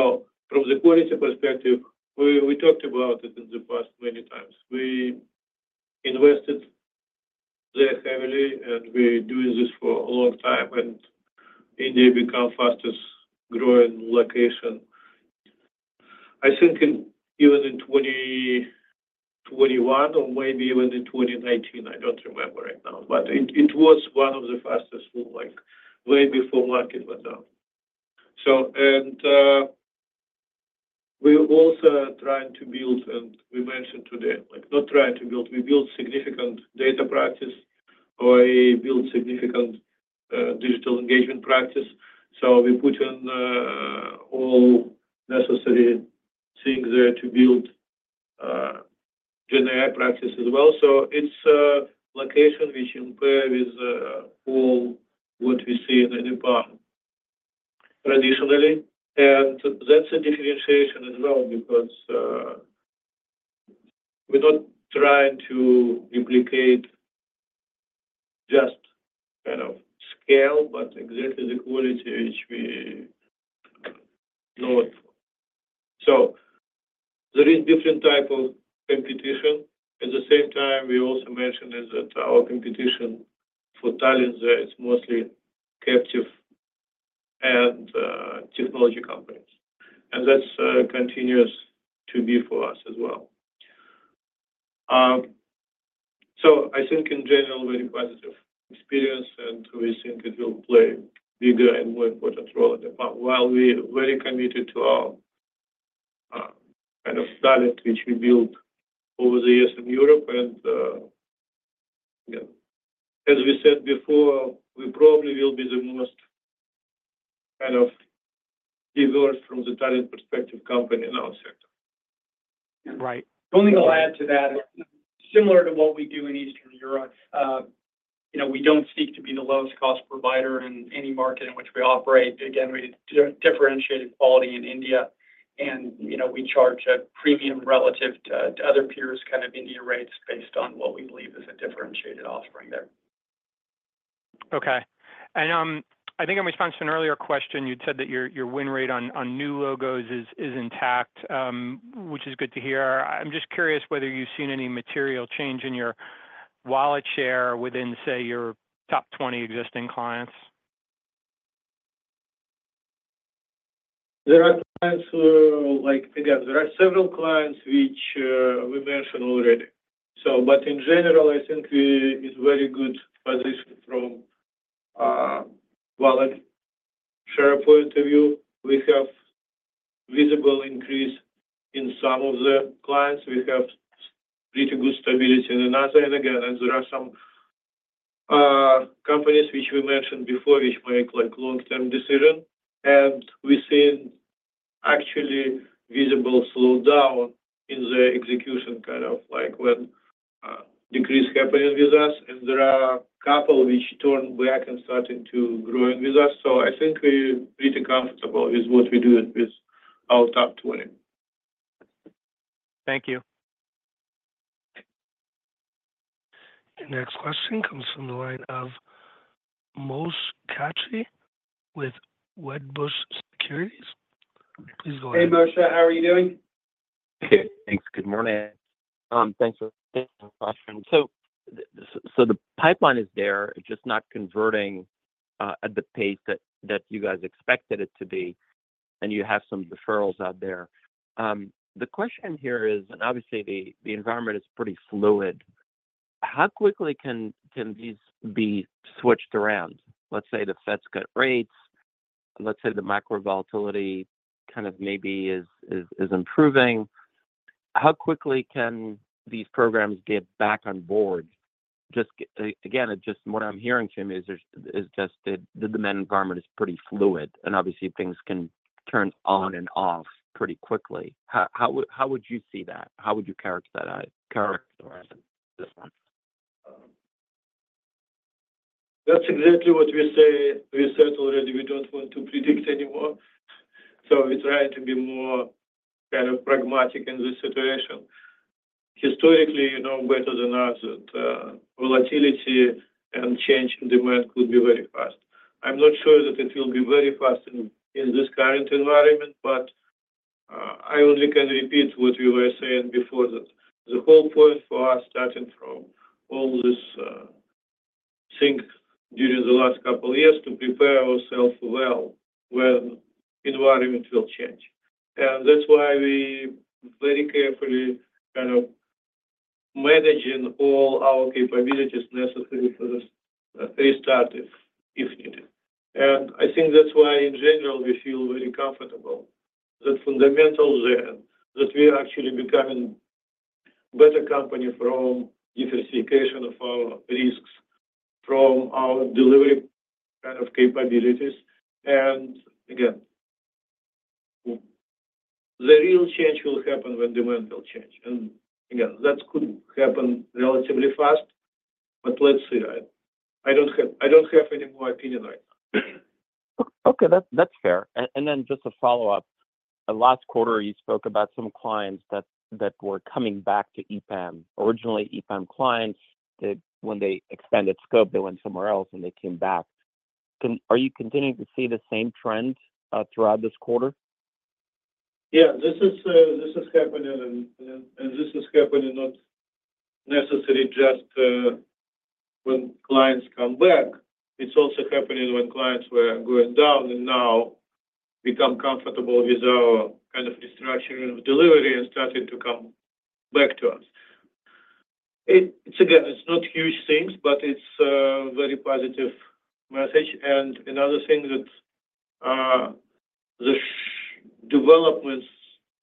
from the quality perspective, we talked about it in the past many times. We invested there heavily, and we're doing this for a long time, and India become fastest-growing location.... I think in, even in 2021 or maybe even in 2019, I don't remember right now, but it was one of the fastest move, like way before market went down. So, we're also trying to build, and we mentioned today, like, not trying to build, we build significant data practice or build significant digital engagement practice. So, we put in all necessary things there to build GenAI practice as well. So it's a location which in pair with all what we see in any part traditionally, and that's a differentiation as well, because we're not trying to duplicate just kind of scale, but exactly the quality which we know it. So, there is different type of competition. At the same time, we also mentioned is that our competition for talent there is mostly captive and technology companies, and that's continues to be for us as well. So, I think in general, very positive experience, and we think it will play bigger and more important role in the part. While we are very committed to our kind of talent, which we built over the years in Europe, and as we said before, we probably will be the most kind of diverse from the talent perspective company in our sector. Right. The only thing I'll add to that, similar to what we do in Eastern Europe, you know, we don't seek to be the lowest cost provider in any market in which we operate. Again, we differentiated quality in India, and, you know, we charge a premium relative to, to other peers, kind of India rates, based on what we believe is a differentiated offering there. Okay. And, I think in response to an earlier question, you'd said that your win rate on new logos is intact, which is good to hear. I'm just curious whether you've seen any material change in your wallet share within, say, your top 20 existing clients? There are clients who, like, again, there are several clients which we mentioned already. So, but in general, I think we is very good position from wallet share point of view. We have visible increase in some of the clients. We have pretty good stability in another. And again, there are some companies which we mentioned before, which make, like, long-term decision, and we seen actually visible slowdown in the execution, kind of like when decrease happening with us, and there are a couple which turn back and starting to growing with us. So, I think we're pretty comfortable with what we doing with our top 20. Thank you. The next question comes from the line of Moshe Katri with Wedbush Securities. Please go ahead. Hey, Moshe, how are you doing? Thanks. Good morning. Thanks for taking the question. So, the pipeline is there, it's just not converting at the pace that you guys expected it to be, and you have some deferrals out there. The question here is, and obviously, the environment is pretty fluid, how quickly can these be switched around? Let's say the Fed's cut rates, let's say the macro volatility kind of maybe is improving. How quickly can these programs get back on board? Just, again, just what I'm hearing, Jim, is there's just that the demand environment is pretty fluid, and obviously, things can turn on and off pretty quickly. How would you see that? How would you characterize this one? That's exactly what we say. We said already, we don't want to predict anymore, so we try to be more kind of pragmatic in this situation. Historically, you know better than us that, volatility and change in demand could be very fast. I'm not sure that it will be very fast in this current environment, but I only can repeat what we were saying before that. The whole point for us, starting from all this things during the last couple of years, to prepare ourselves well when environment will change. And that's why we very carefully kind of managing all our capabilities necessary for this restart if needed. And I think that's why, in general, we feel very comfortable that fundamentals there, that we are actually becoming better company from diversification of our risks, from our delivery kind of capabilities. Again, the real change will happen when demand will change. Again, that could happen relatively fast, but let's see. I, I don't have, I don't have any more opinion right now. Okay, that's fair. And then just a follow-up. Last quarter, you spoke about some clients that were coming back to EPAM. Originally, EPAM clients, that when they expanded scope, they went somewhere else, and they came back. Are you continuing to see the same trend throughout this quarter? Yeah, this is happening, and this is happening not necessarily just when clients come back. It's also happening when clients were going down and now become comfortable with our kind of structure of delivery and starting to come back to us. It's again, it's not huge things, but it's very positive message. And another thing that the developments,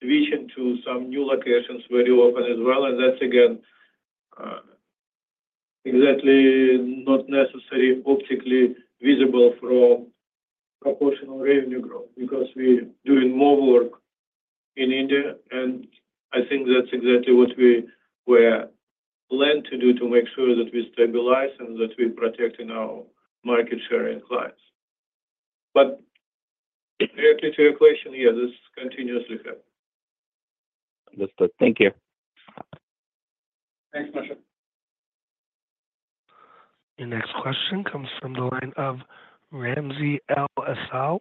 vision to some new locations where you open as well, and that's again exactly not necessarily optically visible from proportional revenue growth. Because we're doing more work in India, and I think that's exactly what we were planned to do to make sure that we stabilize and that we're protecting our market share and clients. But directly to your question, yeah, this continues to happen. Understood. Thank you. Thanks, Moshe. Your next question comes from the line of Ramsey El-Assal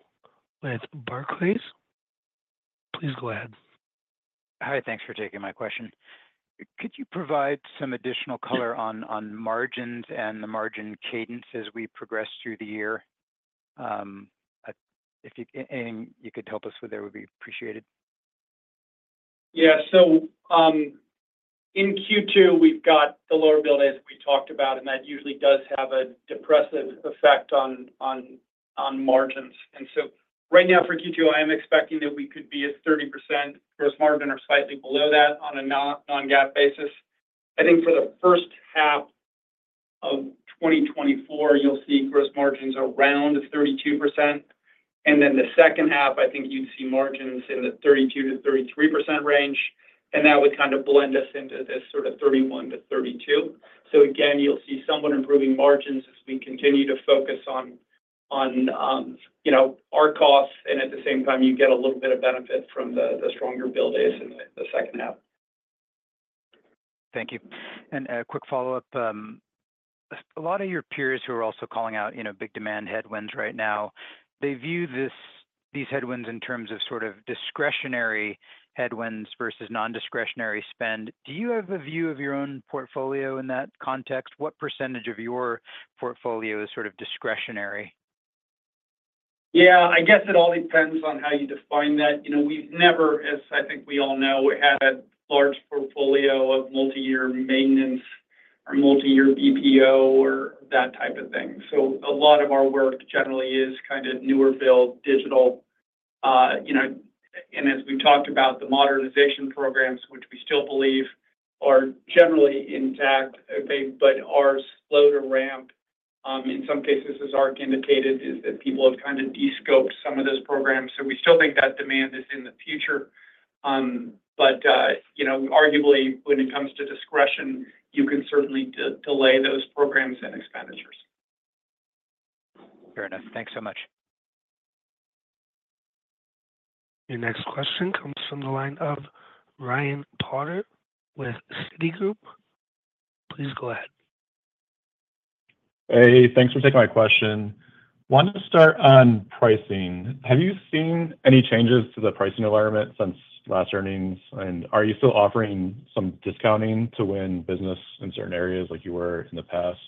with Barclays. Please go ahead. Hi, thanks for taking my question. Could you provide some additional color on margins and the margin cadence as we progress through the year? If you and you could help us with that would be appreciated. Yeah. So, in Q2, we've got the lower bill, as we talked about, and that usually does have a depressive effect on margins. And so right now for Q2, I am expecting that we could be at 30% gross margin or slightly below that on a non-GAAP basis. I think for the first half of 2024, you'll see gross margins around 32%, and then the second half, I think you'd see margins in the 32%-33% range, and that would kind of blend us into this sort of 31%-32%. So again, you'll see somewhat improving margins as we continue to focus on, you know, our costs, and at the same time, you get a little bit of benefit from the stronger bill days in the second half. Thank you. A quick follow-up, a lot of your peers who are also calling out, you know, big demand headwinds right now, they view these headwinds in terms of sort of discretionary headwinds versus non-discretionary spend. Do you have a view of your own portfolio in that context? What percentage of your portfolio is sort of discretionary? Yeah, I guess it all depends on how you define that. You know, we've never, as I think we all know, had a large portfolio of multi-year maintenance or multi-year BPO or that type of thing. So, a lot of our work generally is kind of newer build, digital. You know, and as we talked about, the modernization programs, which we still believe are generally intact, okay, but are slower ramped, in some cases, as Ark indicated, is that people have kind of descope some of those programs. So, we still think that demand is in the future. But, you know, arguably, when it comes to discretion, you can certainly delay those programs and expenditures. Fair enough. Thanks so much. Your next question comes from the line of Ryan Potter with Citigroup. Please go ahead. Hey, thanks for taking my question. Wanted to start on pricing. Have you seen any changes to the pricing environment since last earnings? And are you still offering some discounting to win business in certain areas like you were in the past?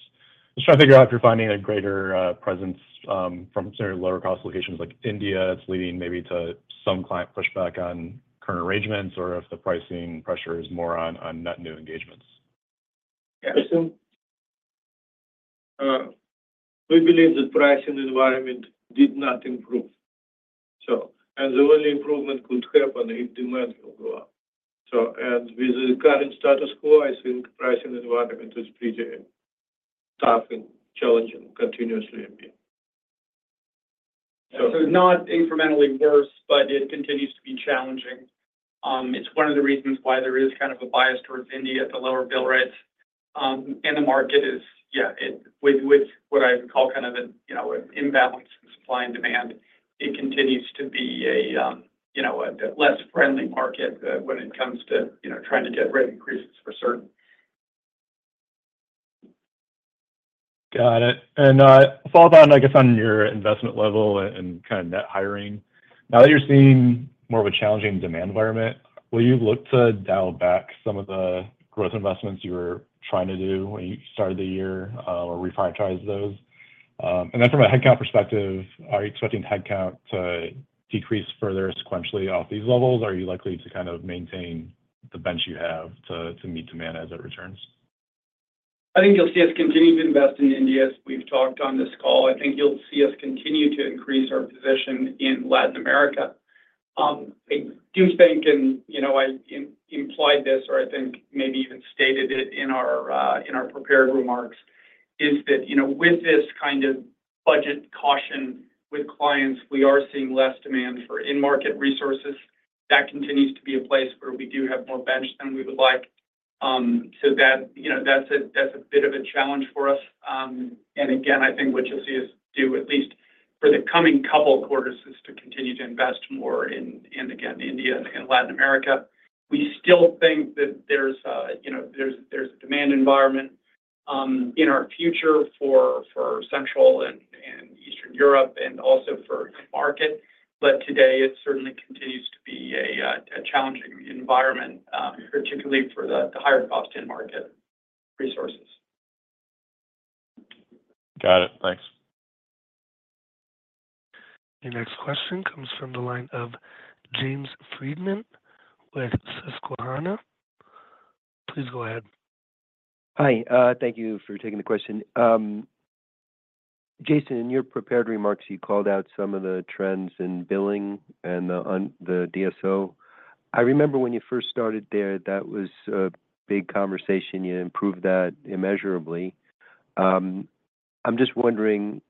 Just trying to figure out if you're finding a greater presence from certain lower cost locations like India, that's leading maybe to some client pushback on current arrangements, or if the pricing pressure is more on net new engagements. Yeah. So, we believe the pricing environment did not improve. So, and the only improvement could happen if demand will go up. So, and with the current status quo, I think pricing environment is pretty tough and challenging, continuously, I mean. So, not incrementally worse, but it continues to be challenging. It's one of the reasons why there is kind of a bias towards India at the lower bill rates. And the market is, yeah, with what I would call kind of a, you know, an imbalance in supply and demand. It continues to be a, you know, a less friendly market when it comes to, you know, trying to get rate increases for certain. Got it. And, follow on, I guess, on your investment level and kind of net hiring. Now that you're seeing more of a challenging demand environment, will you look to dial back some of the growth investments you were trying to do when you started the year, or reprioritize those? And then from a headcount perspective, are you expecting headcount to decrease further sequentially off these levels, or are you likely to kind of maintain the bench you have to, to meet demand as it returns? I think you'll see us continue to invest in India, as we've talked on this call. I think you'll see us continue to increase our position in Latin America. I do think, and, you know, I implied this, or I think maybe even stated it in our, in our prepared remarks, is that, you know, with this kind of budget caution with clients, we are seeing less demand for in-market resources. That continues to be a place where we do have more bench than we would like. So that, you know, that's a, that's a bit of a challenge for us. And again, I think what you'll see us do, at least for the coming couple quarters, is to continue to invest more in, in, again, India and Latin America. We still think that there's a, you know, a demand environment in our future for Central Europe and also for the market. But today, it certainly continues to be a challenging environment, particularly for the higher cost in-market resources. Got it. Thanks. The next question comes from the line of James Friedman with Susquehanna. Please go ahead. Hi. Thank you for taking the question. Jason, in your prepared remarks, you called out some of the trends in billing and the DSO. I remember when you first started there, that was a big conversation. You improved that immeasurably. I'm just wondering,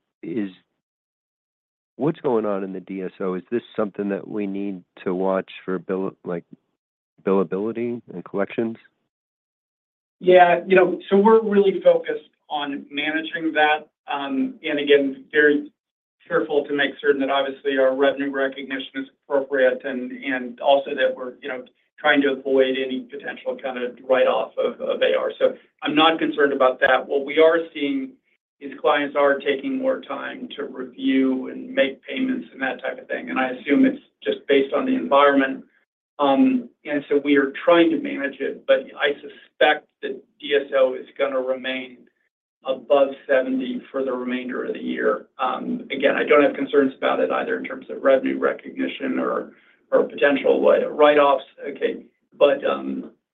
what's going on in the DSO? Is this something that we need to watch for bill, like, billability and collections? Yeah. You know, so we're really focused on managing that. And again, very careful to make certain that obviously our revenue recognition is appropriate and also that we're, you know, trying to avoid any potential kind of write-off of AR. So, I'm not concerned about that. What we are seeing is clients are taking more time to review and make payments, and that type of thing, and I assume it's just based on the environment. And so, we are trying to manage it, but I suspect that DSO is going to remain above 70 for the remainder of the year. Again, I don't have concerns about it either in terms of revenue recognition or potential write-offs. Okay.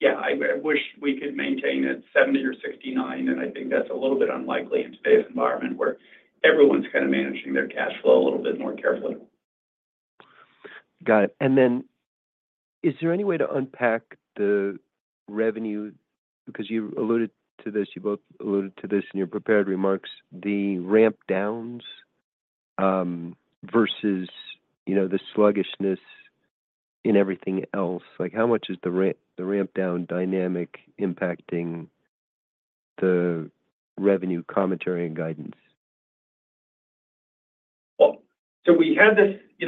Yeah, I wish we could maintain it at 70 or 69, and I think that's a little bit unlikely in today's environment, where everyone's kind of managing their cash flow a little bit more carefully. Got it. And then, is there any way to unpack the revenue? Because you alluded to this... you both alluded to this in your prepared remarks, the ramp downs, versus, you know, the sluggishness in everything else. Like, how much is the ramp down dynamic impacting the revenue commentary and guidance? Well, so we had this, you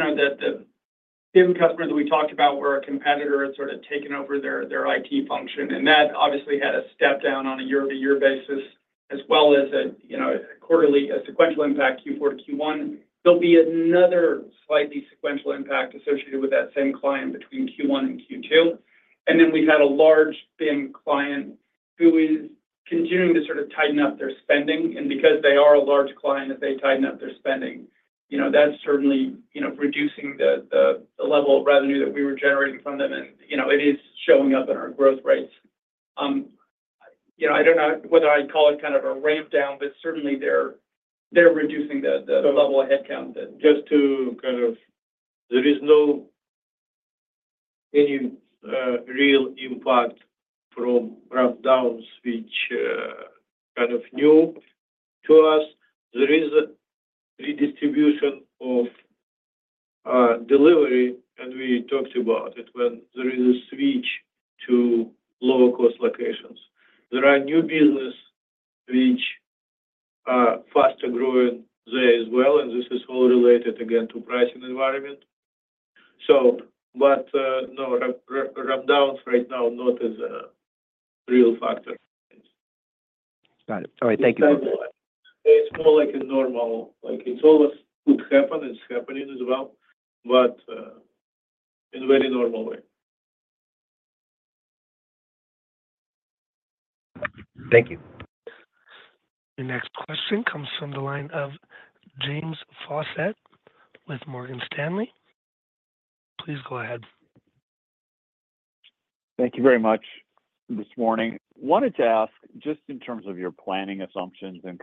know, the same customer that we talked about, where a competitor had sort of taken over their IT function, and that obviously had a step down on a year-over-year basis, as well as a, you know, a quarterly sequential impact, Q4 to Q1. There'll be another slightly sequential impact associated with that same client between Q1 and Q2. And then we've had a large bank client who is continuing to sort of tighten up their spending, and because they are a large client, as they tighten up their spending, you know, that's certainly, you know, reducing the level of revenue that we were generating from them. And, you know, it is showing up in our growth rates. You know, I don't know whether I'd call it kind of a ramp down, but certainly they're reducing the level of headcount. Just to kind of... There is no any real impact from ramp downs, which kind of new to us. There is a redistribution of delivery, and we talked about it, when there is a switch to lower-cost locations. There are new business which are faster growing there as well, and this is all related, again, to pricing environment. So, but, no, ramp downs right now, not as a real factor. Got it. All right, thank you. It's more like a normal, like it's always could happen. It's happening as well, but in a very normal way. Thank you. The next question comes from the line of James Faucette with Morgan Stanley. Please go ahead. Thank you very much this morning. Wanted to ask, just in terms of your planning assumptions and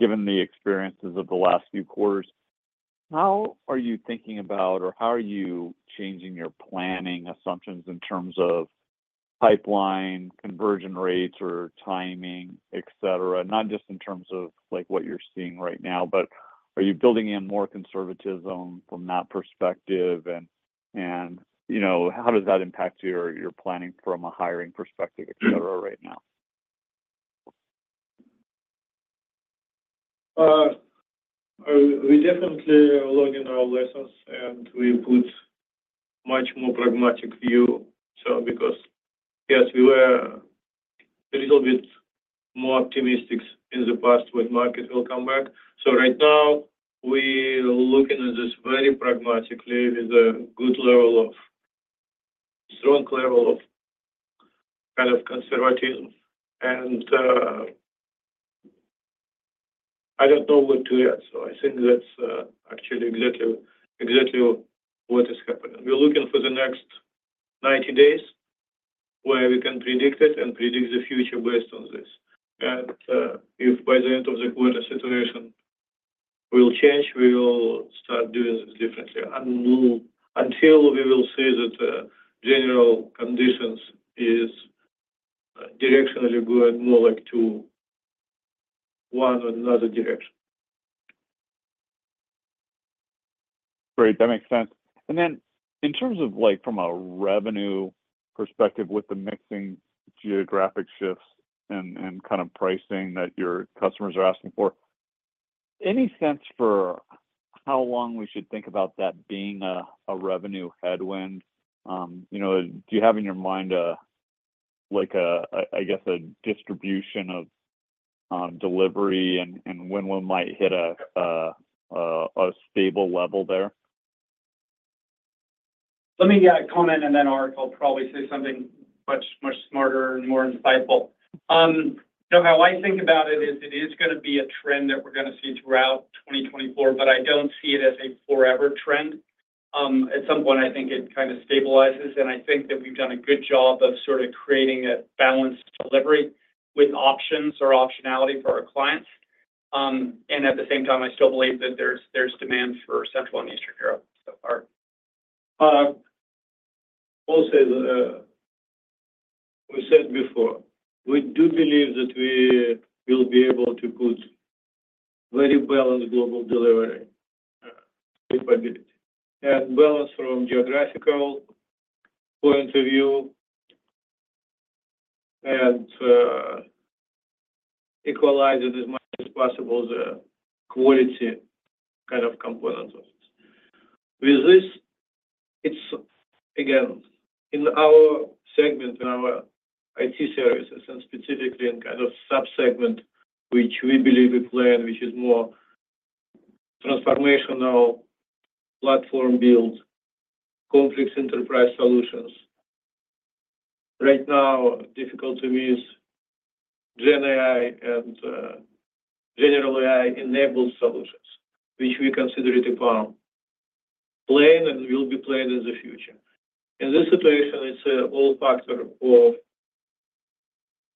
kind of given the experiences of the last few quarters, how are you thinking about, or how are you changing your planning assumptions in terms of pipeline, conversion rates or timing, et cetera? Not just in terms of, like, what you're seeing right now, but are you building in more conservatism from that perspective? And, and, you know, how does that impact your, your planning from a hiring perspective, et cetera, right now? We definitely learn in our lessons, and we put much more pragmatic view. So, because, yes, we were a little bit more optimistic in the past with market will come back. So right now, we're looking at this very pragmatically with a good level of, strong level of kind of conservatism. And, I don't know what to yet, so I think that's, actually exactly, exactly what is happening. We're looking for the next 90 days, where we can predict it and predict the future based on this. And, if by the end of the quarter situation will change, we will start doing this differently. And no, until we will see that, general conditions is directionally good, more like to one or another direction. Great, that makes sense. And then in terms of, like, from a revenue perspective, with the mixing geographic shifts and kind of pricing that your customers are asking for, any sense for how long we should think about that being a revenue headwind? You know, do you have in your mind like a, I guess a distribution of delivery and when we might hit a stable level there? Let me, yeah, comment, and then Ark will probably say something much, much smarter and more insightful. So, how I think about it is, it is going to be a trend that we're going to see throughout 2024, but I don't see it as a forever trend. At some point, I think it kind of stabilizes, and I think that we've done a good job of sort of creating a balanced delivery with options or optionality for our clients. And at the same time, I still believe that there's, there's demand for Central and Eastern Europe, so far. Also, we said before, we do believe that we will be able to put very balanced global delivery capability. And balance from geographical point of view and equalize it as much as possible, the quality kind of components of it. With this, it's again in our segment, in our IT Services, and specifically in kind of subsegment, which we believe we play in, which is more transformational platform build, complex enterprise solutions. Right now, difficulty with GenAI and general AI-enabled solutions, which we consider it upon playing and will be played in the future. In this situation, it's a all factor of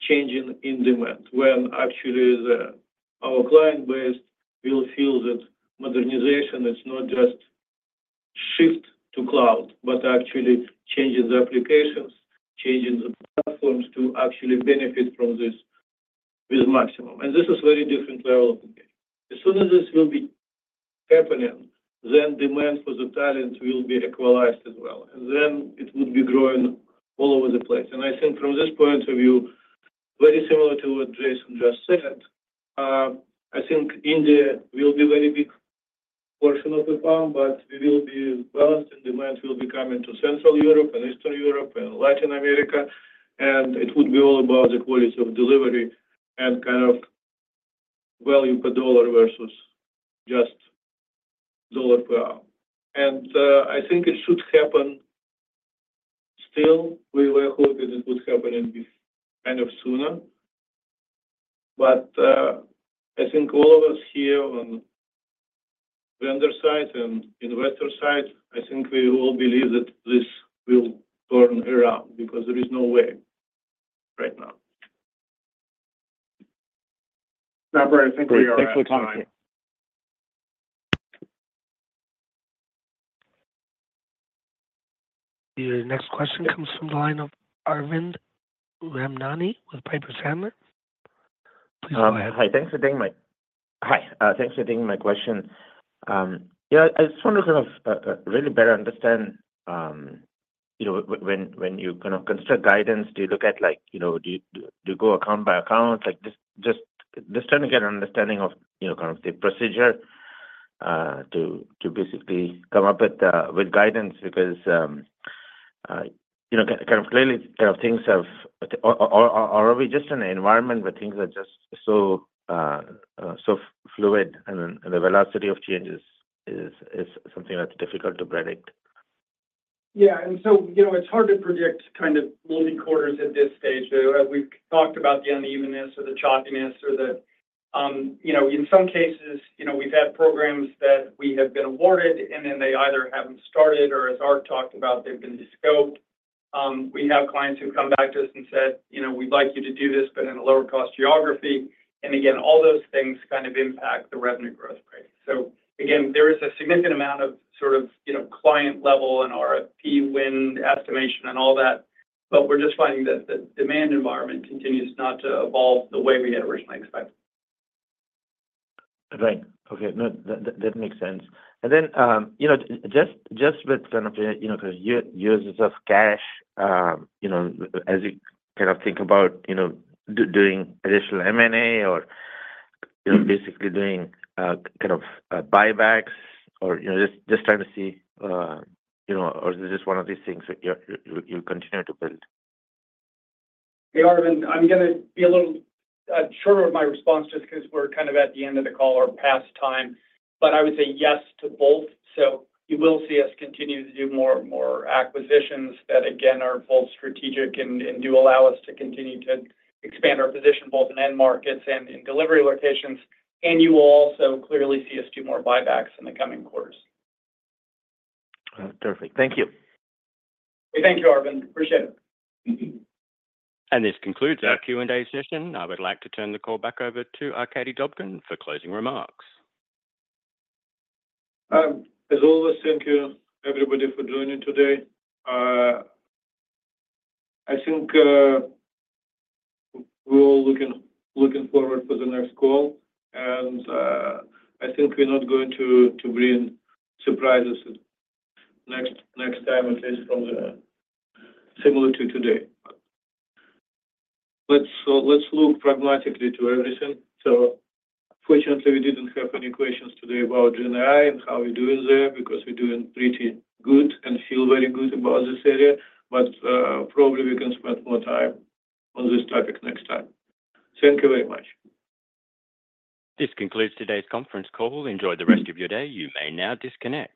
changing in demand, when actually the, our client base will feel that modernization is not just shift to cloud, but actually changing the applications, changing the platforms to actually benefit from this with maximum. And this is very different level of the game. As soon as this will be happening, then demand for the talent will be equalized as well, and then it would be growing all over the place. And I think from this point of view, very similar to what Jason just said, I think India will be very big portion of the firm, but we will be balanced, and demand will be coming to Central Europe and Eastern Europe and Latin America. And it would be all about the quality of delivery and kind of value per dollar versus just dollar per hour. And, I think it should happen. Still, we were hoping it would happen in kind of sooner. But, I think all of us here on vendor side and investor side, I think we all believe that this will turn around because there is no way right now. Operator, I think we are out of time. Thanks for talking. Your next question comes from the line of Arvind Ramnani with Piper Sandler. Please go ahead. Hi, thanks for taking my question. Yeah, I just wanted to kind of, really better understand, you know, when, when, when you kind of consider guidance, do you look at, like, you know, do you, do you go account by account? Like, just, just, just trying to get an understanding of, you know, kind of the procedure, to, to basically come up with, with guidance, because, you know, kind of clearly, kind of things have, or are we just in an environment where things are just so, so fluid, and the velocity of changes is, is something that's difficult to predict? Yeah, and so, you know, it's hard to predict kind of leading quarters at this stage. But we've talked about the unevenness or the choppiness or the, you know, in some cases, you know, we've had programs that we have been awarded, and then they either haven't started or, as Ark talked about, they've been descoped. We have clients who come back to us and said, "You know, we'd like you to do this, but in a lower cost geography." And again, all those things kind of impact the revenue growth rate. So again, there is a significant amount of sort of, you know, client level and RFP win estimation and all that, but we're just finding that the demand environment continues not to evolve the way we had originally expected. Right. Okay. No, that, that, that makes sense. And then, you know, just, just with kind of, you know, the uses of cash, you know, as you kind of think about, you know, doing additional M&A or, you know, basically doing, kind of, buybacks or, you know, just, just trying to see, you know, or is it just one of these things that you're, you'll continue to build? Hey, Arvind, I'm going to be a little shorter with my response just because we're kind of at the end of the call or past time, but I would say yes to both. So, you will see us continue to do more and more acquisitions that, again, are both strategic and do allow us to continue to expand our position both in end markets and in delivery locations. And you will also clearly see us do more buybacks in the coming quarters. Perfect. Thank you. Thank you, Arvind. Appreciate it. This concludes our Q&A session. I would like to turn the call back over to Arkady Dobkin for closing remarks. As always, thank you, everybody, for joining today. I think, we're all looking forward for the next call, and, I think we're not going to bring surprises next time, at least from the similar to today. Let's look pragmatically to everything. So fortunately, we didn't have any questions today about GenAI and how we're doing there, because we're doing pretty good and feel very good about this area. But, probably we can spend more time on this topic next time. Thank you very much. This concludes today's conference call. Enjoy the rest of your day. You may now disconnect.